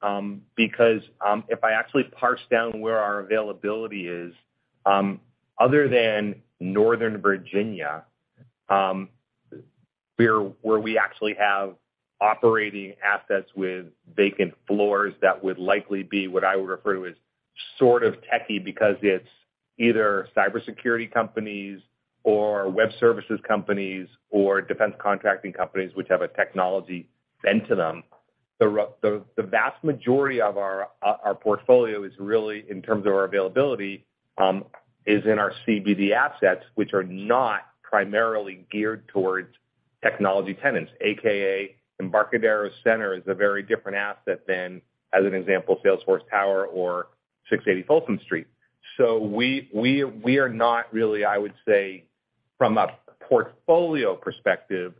because if I actually parse down where our availability is, other than Northern Virginia, we're where we actually have operating assets with vacant floors that would likely be what I would refer to as sort of techy because it's either cybersecurity companies or web services companies or defense contracting companies which have a technology bent to them. The vast majority of our portfolio is really, in terms of our availability, in our CBD assets, which are not primarily geared towards technology tenants. AKA Embarcadero Center is a very different asset than, as an example, Salesforce Tower or 680 Folsom Street. We are not really, I would say, from a portfolio perspective,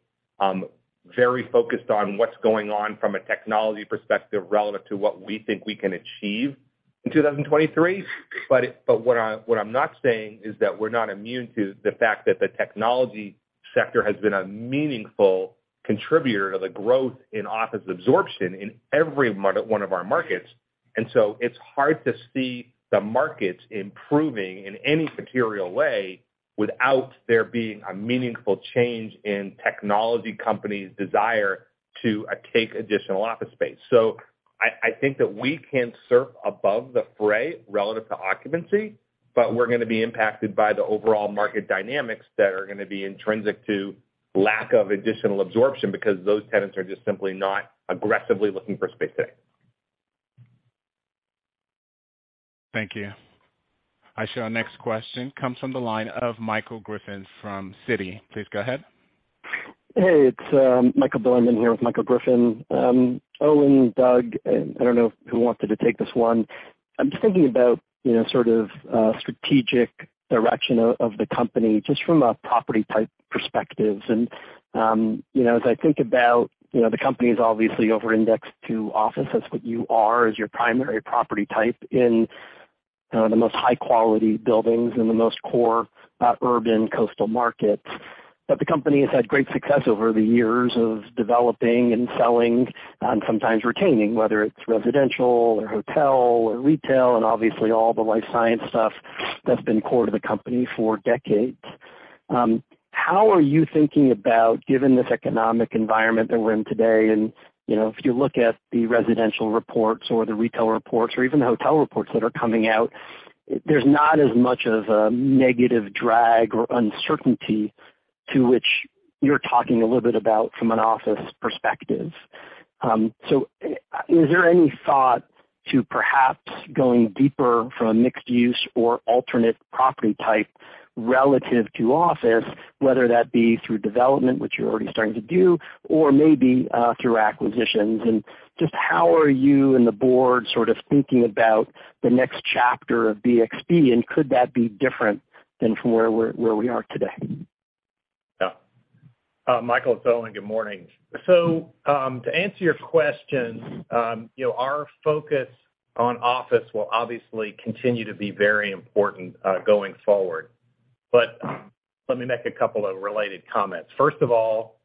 very focused on what's going on from a technology perspective relative to what we think we can achieve in 2023. What I'm not saying is that we're not immune to the fact that the technology sector has been a meaningful contributor to the growth in office absorption in every one of our markets. It's hard to see the markets improving in any material way without there being a meaningful change in technology companies' desire to take additional office space. I think that we can surf above the fray relative to occupancy, but we're gonna be impacted by the overall market dynamics that are gonna be intrinsic to lack of additional absorption because those tenants are just simply not aggressively looking for space today. Thank you. Our next question comes from the line of Michael Griffin from Citi. Please go ahead. Hey, it's Michael Bilerman here with Michael Griffin. Owen, Doug, I don't know who wanted to take this one. I'm just thinking about, you know, sort of, strategic direction of the company, just from a property type perspective. You know, as I think about, you know, the company is obviously over-indexed to office. That's what you are as your primary property type in the most high quality buildings in the most core urban coastal markets. The company has had great success over the years of developing and selling and sometimes retaining, whether it's residential or hotel or retail and obviously all the life science stuff that's been core to the company for decades. How are you thinking about, given this economic environment that we're in today, and, you know, if you look at the residential reports or the retail reports or even the hotel reports that are coming out, there's not as much of a negative drag or uncertainty to which you're talking a little bit about from an office perspective. Is there any thought to perhaps going deeper from a mixed use or alternate property type relative to office, whether that be through development, which you're already starting to do or maybe through acquisitions? Just how are you and the board sort of thinking about the next chapter of BXP, and could that be different than from where we are today? Yeah. Michael, it's Owen. Good morning. To answer your question, you know, our focus on office will obviously continue to be very important, going forward. Let me make a couple of related comments. First of all,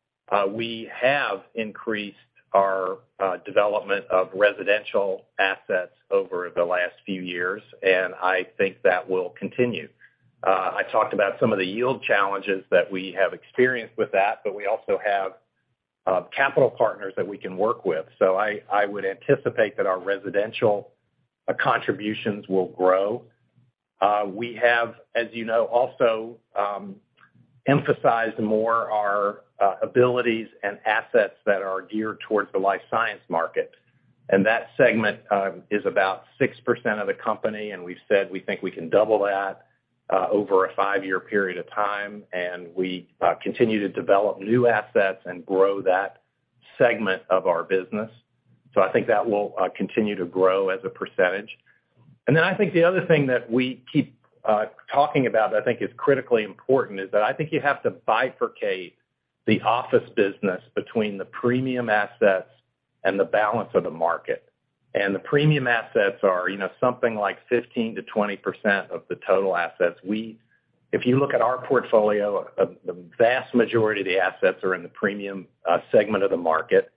we have increased our development of residential assets over the last few years, and I think that will continue. I talked about some of the yield challenges that we have experienced with that, but we also have Capital partners that we can work with. I would anticipate that our residential contributions will grow. We have, as you know, also emphasized more our abilities and assets that are geared towards the life science market. That segment is about 6% of the company, and we've said we think we can double that over a five-year period of time, and we continue to develop new assets and grow that segment of our business. I think that will continue to grow as a percentage. Then I think the other thing that we keep talking about that I think is critically important is that I think you have to bifurcate the office business between the premium assets and the balance of the market. The premium assets are, you know, something like 15%-20% of the total assets. If you look at our portfolio, the vast majority of the assets are in the premium segment of the market.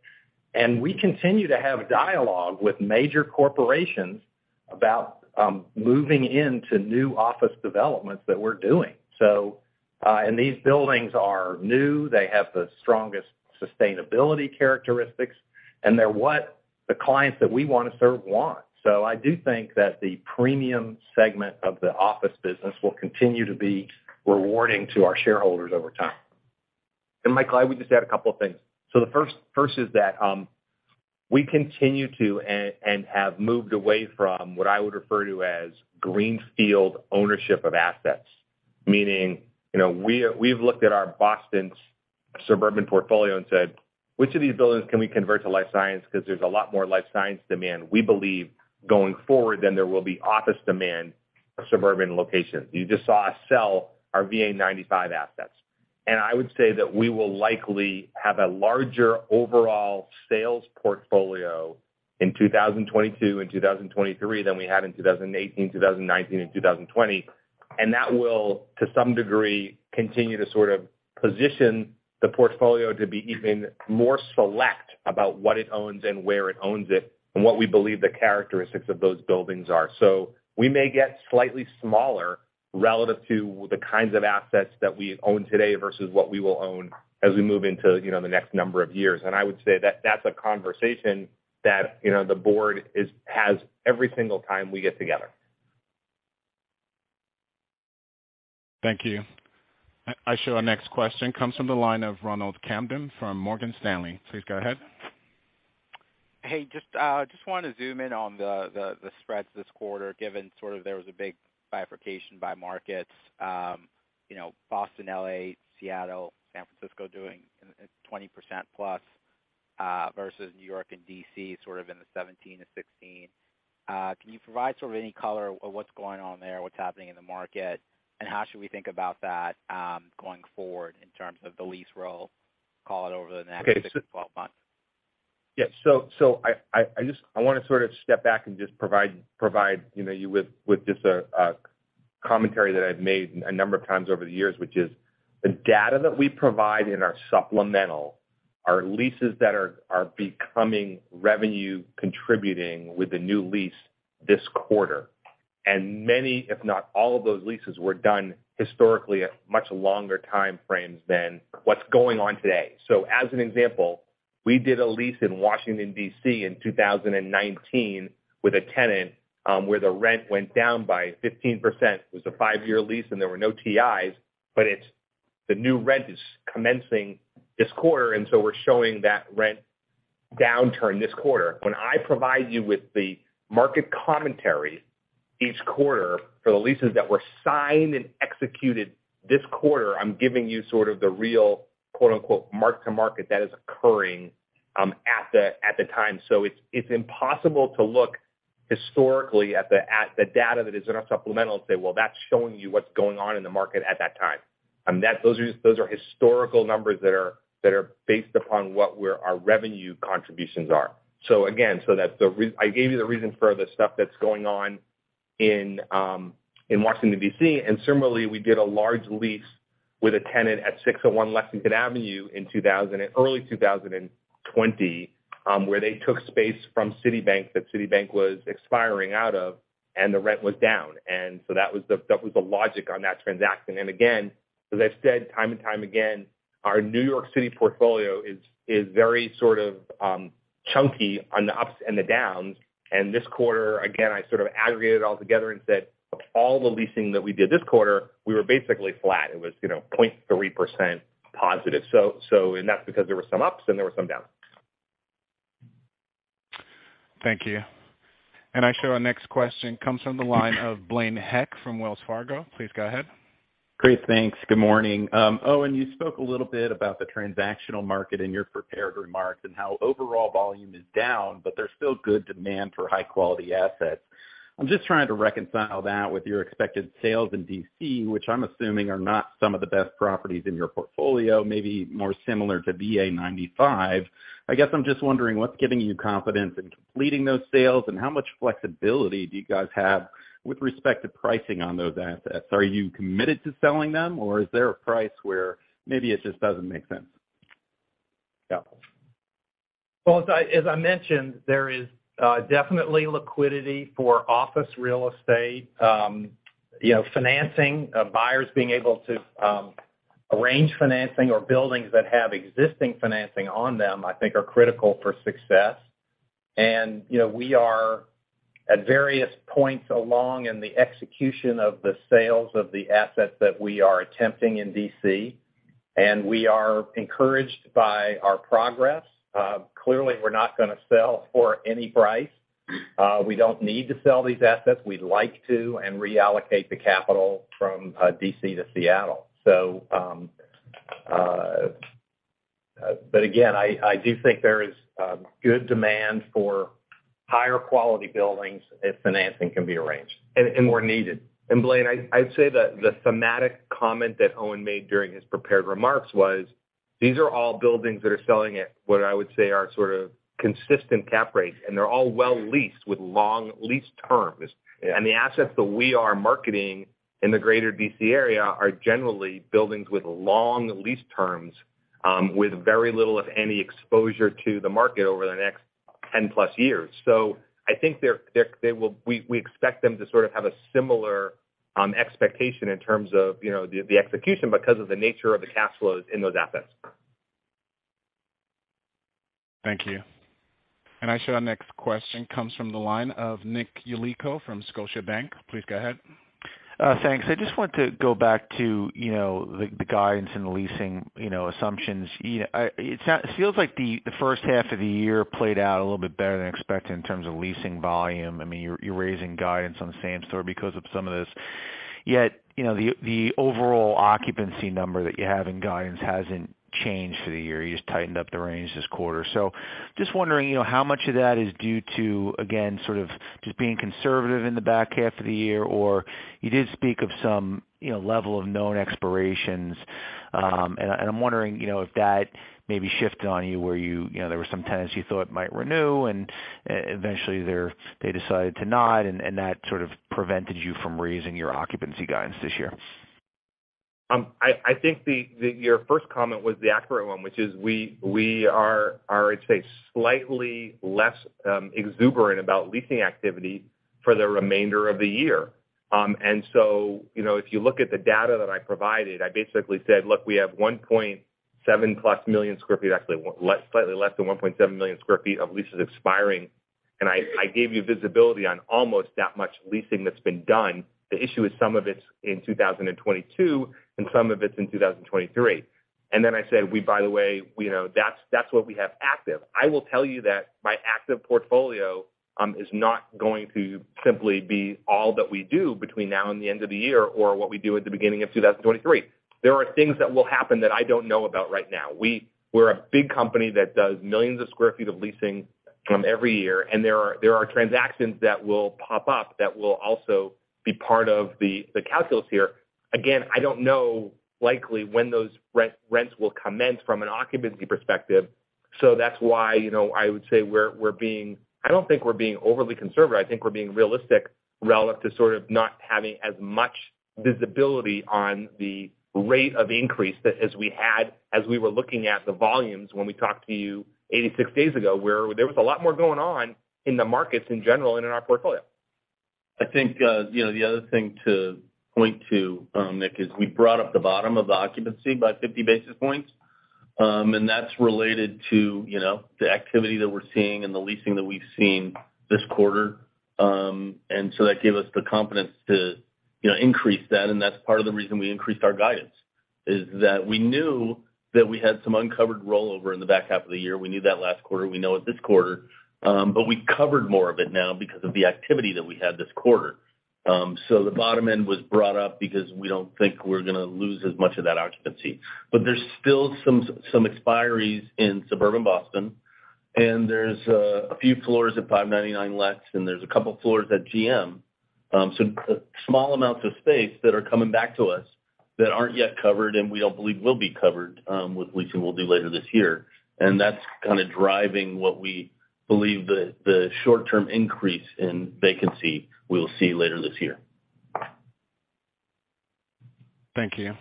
We continue to have dialogue with major corporations about moving into new office developments that we're doing. These buildings are new, they have the strongest sustainability characteristics, and they're what the clients that we wanna serve want. I do think that the premium segment of the office business will continue to be rewarding to our shareholders over time. Michael, I would just add a couple of things. The first is that, we continue to and have moved away from what I would refer to as greenfield ownership of assets, meaning, you know, we've looked at our Boston suburban portfolio and said, which of these buildings can we convert to life science? Because there's a lot more life science demand, we believe, going forward than there will be office demand of suburban locations. You just saw us sell our VA 95 assets. I would say that we will likely have a larger overall sales portfolio in 2022 and 2023 than we had in 2018, 2019 and 2020. That will, to some degree, continue to sort of position the portfolio to be even more select about what it owns and where it owns it, and what we believe the characteristics of those buildings are. We may get slightly smaller relative to the kinds of assets that we own today versus what we will own as we move into, you know, the next number of years. I would say that that's a conversation that, you know, the board has every single time we get together. Thank you. Our next question comes from the line of Ronald Kamdem from Morgan Stanley. Please go ahead. Hey, just wanted to zoom in on the spreads this quarter, given sort of there was a big bifurcation between markets. You know, Boston, L.A., Seattle, San Francisco doing in 20%+ versus New York and D.C. sort of in the 17%-16%. Can you provide sort of any color on what's going on there, what's happening in the market, and how should we think about that going forward in terms of the lease rollover over the next six to 12 months? Yeah. I just wanna sort of step back and just provide you know you with just a commentary that I've made a number of times over the years, which is the data that we provide in our supplemental are leases that are becoming revenue contributing with the new lease this quarter. Many, if not all of those leases were done historically at much longer time frames than what's going on today. As an example, we did a lease in Washington, D.C. in 2019 with a tenant where the rent went down by 15%. It was a five-year lease, and there were no TIs, but the new rent is commencing this quarter, and so we're showing that rent downturn this quarter. When I provide you with the market commentary each quarter for the leases that were signed and executed this quarter, I'm giving you sort of the real quote-unquote, "mark-to-market" that is occurring at the time. It's impossible to look historically at the data that is in our supplemental and say, "Well, that's showing you what's going on in the market at that time." Those are historical numbers that are based upon our revenue contributions. Again, that's the reason I gave you for the stuff that's going on in Washington, D.C., and similarly, we did a large lease with a tenant at 601 Lexington Avenue in early 2020, where they took space from Citibank that Citibank was expiring out of, and the rent was down. Again, as I've said time and time again, our New York City portfolio is very sort of chunky on the ups and the downs. This quarter, again, I sort of aggregated all together and said, of all the leasing that we did this quarter, we were basically flat. It was, you know, 0.3%+ that's because there were some ups and there were some downs. Thank you. Our next question comes from the line of Blaine Heck from Wells Fargo. Please go ahead. Great. Thanks. Good morning, Owen, you spoke a little bit about the transactional market in your prepared remarks and how overall volume is down, but there's still good demand for high-quality assets. I'm just trying to reconcile that with your expected sales in D.C., which I'm assuming are not some of the best properties in your portfolio, maybe more similar to VA 95. I guess I'm just wondering what's giving you confidence in completing those sales, and how much flexibility do you guys have with respect to pricing on those assets? Are you committed to selling them, or is there a price where maybe it just doesn't make sense? Well, as I mentioned, there is definitely liquidity for office real estate. You know, financing, buyers being able to arrange financing or buildings that have existing financing on them, I think are critical for success. You know, we are at various points along in the execution of the sales of the assets that we are attempting in D.C., and we are encouraged by our progress. Clearly, we're not gonna sell for any price. We don't need to sell these assets. We'd like to and reallocate the capital from D.C. to Seattle. Again, I do think there is good demand for higher quality buildings if financing can be arranged. more needed. Blaine, I'd say the thematic comment that Owen made during his prepared remarks was, these are all buildings that are selling at what I would say are sort of consistent cap rates, and they're all well leased with long lease terms. Yeah. The assets that we are marketing in the greater D.C. area are generally buildings with long lease terms, with very little, if any, exposure to the market over the next 10+ years. I think we expect them to sort of have a similar expectation in terms of, you know, the execution because of the nature of the cash flows in those assets. Thank you. Our next question comes from the line of Nick Yulico from Scotiabank. Please go ahead. Thanks. I just want to go back to, you know, the guidance and the leasing, you know, assumptions. It feels like the first half of the year played out a little bit better than expected in terms of leasing volume. I mean, you're raising guidance on same store because of some of this. Yet, you know, the overall occupancy number that you have in guidance hasn't changed for the year. You just tightened up the range this quarter. Just wondering, you know, how much of that is due to, again, sort of just being conservative in the back half of the year, or you did speak of some, you know, level of known expirations. I'm wondering, you know, if that maybe shifted on you where you know there were some tenants you thought might renew, and eventually they decided to not, and that sort of prevented you from raising your occupancy guidance this year? I think your first comment was the accurate one, which is we are, I'd say, slightly less exuberant about leasing activity for the remainder of the year. You know, if you look at the data that I provided, I basically said, look, we have 1.7+ million sq ft, actually slightly less than 1.7 million sq ft of leases expiring. I gave you visibility on almost that much leasing that's been done. The issue is some of it's in 2022, and some of it's in 2023. I said, by the way, you know, that's what we have active. I will tell you that my active portfolio is not going to simply be all that we do between now and the end of the year or what we do at the beginning of 2023. There are things that will happen that I don't know about right now. We're a big company that does millions of sq ft of leasing every year, and there are transactions that will pop up that will also be part of the calculus here. Again, I don't know likely when those re-rents will commence from an occupancy perspective. That's why, you know, I would say we're being. I don't think we're being overly conservative. I think we're being realistic relative to sort of not having as much visibility on the rate of increase that as we had as we were looking at the volumes when we talked to you 86 days ago, where there was a lot more going on in the markets in general and in our portfolio. I think, you know, the other thing to point to, Nick, is we brought up the bottom of occupancy by 50 basis points. That's related to, you know, the activity that we're seeing and the leasing that we've seen this quarter. That gave us the confidence to, you know, increase that, and that's part of the reason we increased our guidance, is that we knew that we had some uncovered rollover in the back half of the year. We knew that last quarter, we know it this quarter. We covered more of it now because of the activity that we had this quarter. The bottom end was brought up because we don't think we're gonna lose as much of that occupancy. There's still some expiries in suburban Boston, and there's a few floors at 599 Lex, and there's a couple floors at GM. Small amounts of space that are coming back to us that aren't yet covered and we don't believe will be covered with leasing we'll do later this year. That's kinda driving what we believe the short-term increase in vacancy we'll see later this year. Thank you.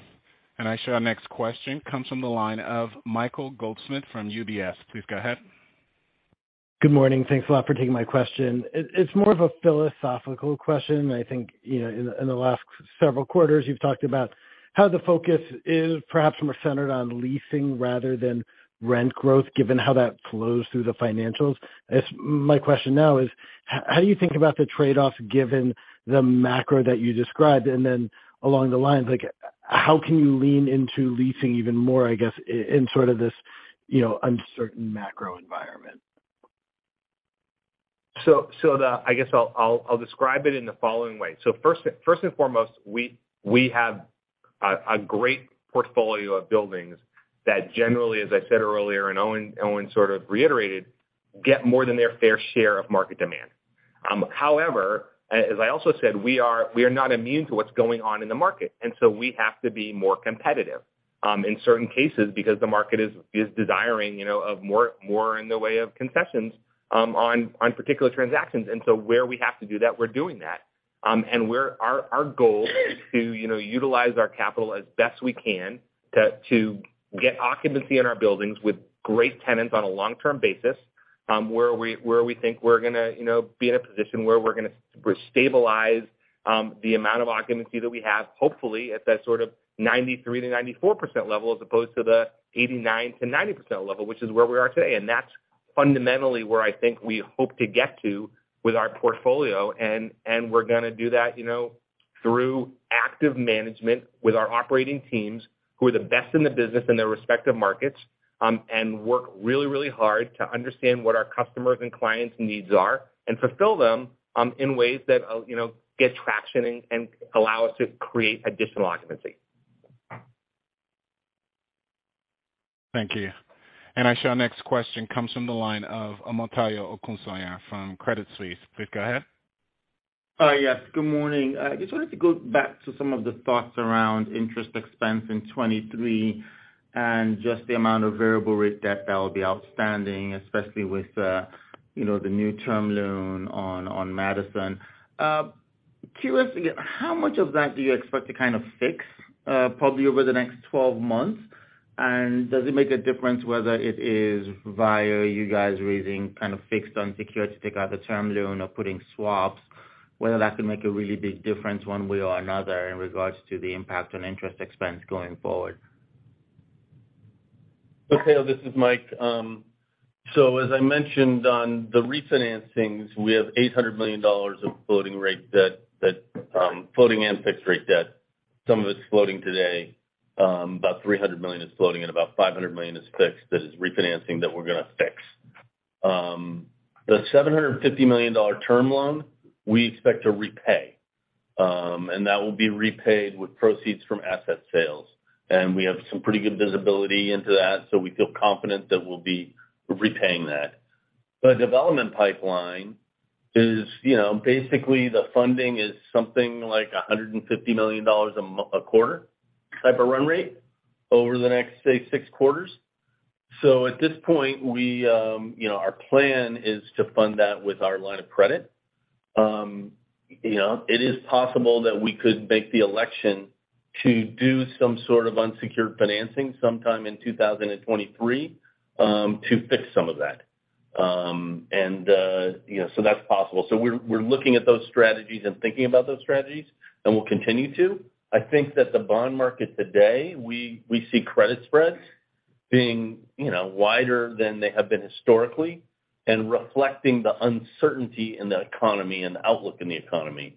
I show our next question comes from the line of Michael Goldsmith from UBS. Please go ahead. Good morning. Thanks a lot for taking my question. It's more of a philosophical question. I think, you know, in the last several quarters, you've talked about how the focus is perhaps more centered on leasing rather than rent growth, given how that flows through the financials. I guess my question now is, how do you think about the trade-off given the macro that you described? Along the lines, like how can you lean into leasing even more, I guess, in sort of this, you know, uncertain macro environment? I guess I'll describe it in the following way. First and foremost, we have a great portfolio of buildings that generally, as I said earlier, and Owen sort of reiterated, get more than their fair share of market demand. However, as I also said, we are not immune to what's going on in the market, and so we have to be more competitive in certain cases because the market is desiring, you know, of more in the way of concessions on particular transactions. Where we have to do that, we're doing that. Our goal is to, you know, utilize our capital as best we can to get occupancy in our buildings with great tenants on a long-term basis, where we think we're gonna, you know, be in a position where we're gonna stabilize the amount of occupancy that we have, hopefully at that sort of 93%-94% level as opposed to the 89%-90% level, which is where we are today. That's fundamentally where I think we hope to get to with our portfolio. We're gonna do that, you know, through active management with our operating teams who are the best in the business in their respective markets, and work really, really hard to understand what our customers' and clients' needs are and fulfill them, in ways that, you know, get traction and allow us to create additional occupancy. Thank you. Our next question comes from the line of Omotayo Okusanya from Credit Suisse. Please go ahead. Yes, good morning. I just wanted to go back to some of the thoughts around interest expense in 2023 and just the amount of variable rate debt that will be outstanding, especially with, you know, the new term loan on Madison. Curious to get how much of that do you expect to kind of fix, probably over the next twelve months? And does it make a difference whether it is via you guys raising kind of fixed unsecured to take out the term loan or putting swaps, whether that could make a really big difference one way or another in regards to the impact on interest expense going forward. Okay. This is Mike. So as I mentioned on the refinancings, we have $800 million of floating rate debt that floating and fixed rate debt. Some of it's floating today. About $300 million is floating and about $500 million is fixed. That is refinancing that we're gonna fix. The $750 million term loan we expect to repay, and that will be repaid with proceeds from asset sales. We have some pretty good visibility into that, so we feel confident that we'll be repaying that. The development pipeline is, you know, basically the funding is something like $150 million a quarter type of run rate over the next, say, six quarters. At this point, we, you know, our plan is to fund that with our line of credit. You know, it is possible that we could make the election to do some sort of unsecured financing sometime in 2023, to fix some of that. You know, so that's possible. We're looking at those strategies and thinking about those strategies, and we'll continue to. I think that the bond market today, we see credit spreads being, you know, wider than they have been historically and reflecting the uncertainty in the economy and the outlook in the economy.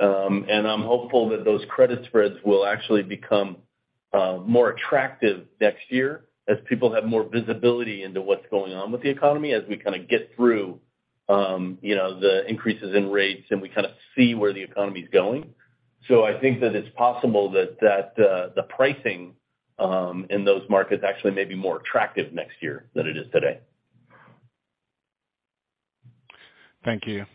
I'm hopeful that those credit spreads will actually become more attractive next year as people have more visibility into what's going on with the economy, as we kinda get through, you know, the increases in rates and we kinda see where the economy's going. I think that it's possible that the pricing in those markets actually may be more attractive next year than it is today. Thank you.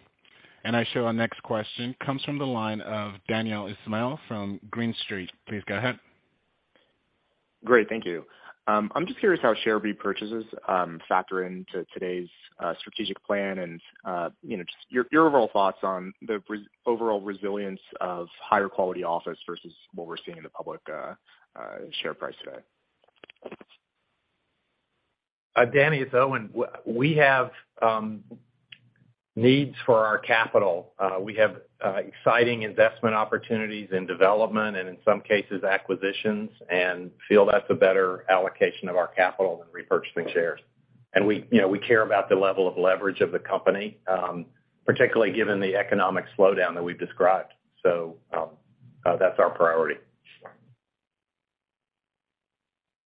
I show our next question comes from the line of Daniel Ismail from Green Street. Please go ahead. Great, thank you. I'm just curious how share repurchases factor into today's strategic plan and, you know, just your overall thoughts on the overall resilience of higher quality office versus what we're seeing in the public share price today? Dani, it's Owen. We have needs for our capital. We have exciting investment opportunities in development and in some cases acquisitions and feel that's a better allocation of our capital than repurchasing shares. We, you know, we care about the level of leverage of the company, particularly given the economic slowdown that we've described. That's our priority.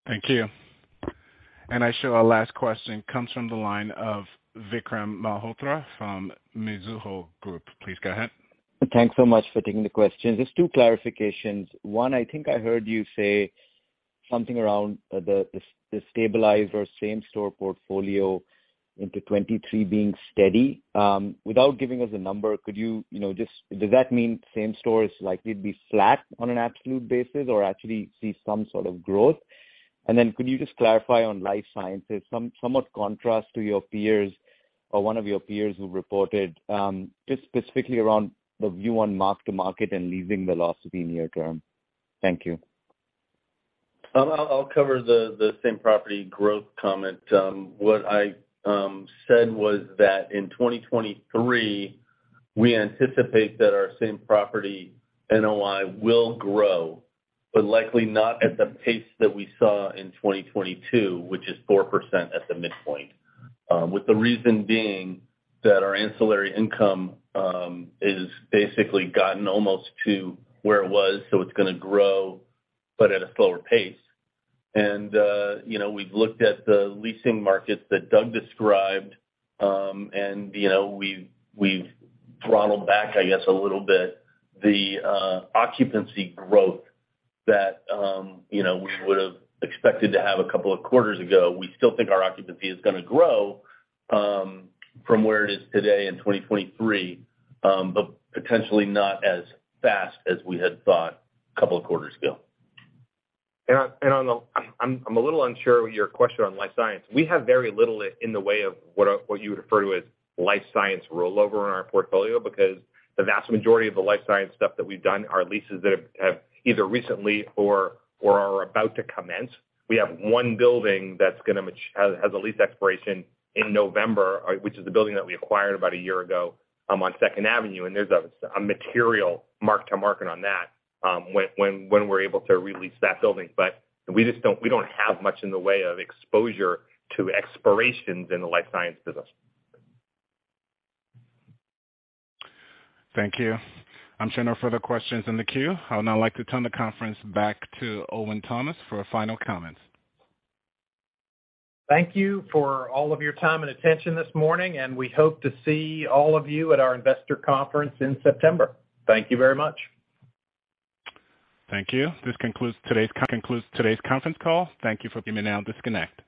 Thank you. Our last question comes from the line of Vikram Malhotra from Mizuho Americas. Please go ahead. Thanks so much for taking the questions. Just two clarifications. One, I think I heard you say something around the stabilizer same-store portfolio into 2023 being steady. Without giving us a number, does that mean same-store is likely to be flat on an absolute basis or actually see some sort of growth? Could you just clarify on life sciences, somewhat contrast to your peers or one of your peers who reported, just specifically around the view on mark-to-market and leasing velocity near term. Thank you. I'll cover the same-property growth comment. What I said was that in 2023, we anticipate that our same-property NOI will grow, but likely not at the pace that we saw in 2022, which is 4% at the midpoint. With the reason being that our ancillary income is basically gotten almost to where it was, so it's gonna grow, but at a slower pace. You know, we've looked at the leasing markets that Doug described, and you know, we've throttled back, I guess, a little bit the occupancy growth that you know, we would've expected to have a couple of quarters ago. We still think our occupancy is gonna grow from where it is today in 2023, but potentially not as fast as we had thought a couple of quarters ago. I'm a little unsure of your question on life science. We have very little in the way of what you would refer to as life science rollover in our portfolio because the vast majority of the life science stuff that we've done are leases that have either recently or are about to commence. We have one building that has a lease expiration in November, which is the building that we acquired about a year ago, on 2nd Avenue, and there's a material mark-to-market on that when we're able to re-lease that building. We don't have much in the way of exposure to expirations in the life science business. Thank you. I'm showing no further questions in the queue. I would now like to turn the conference back to Owen Thomas for final comments. Thank you for all of your time and attention this morning, and we hope to see all of you at our investor conference in September. Thank you very much. Thank you. This concludes today's conference call. You may now disconnect.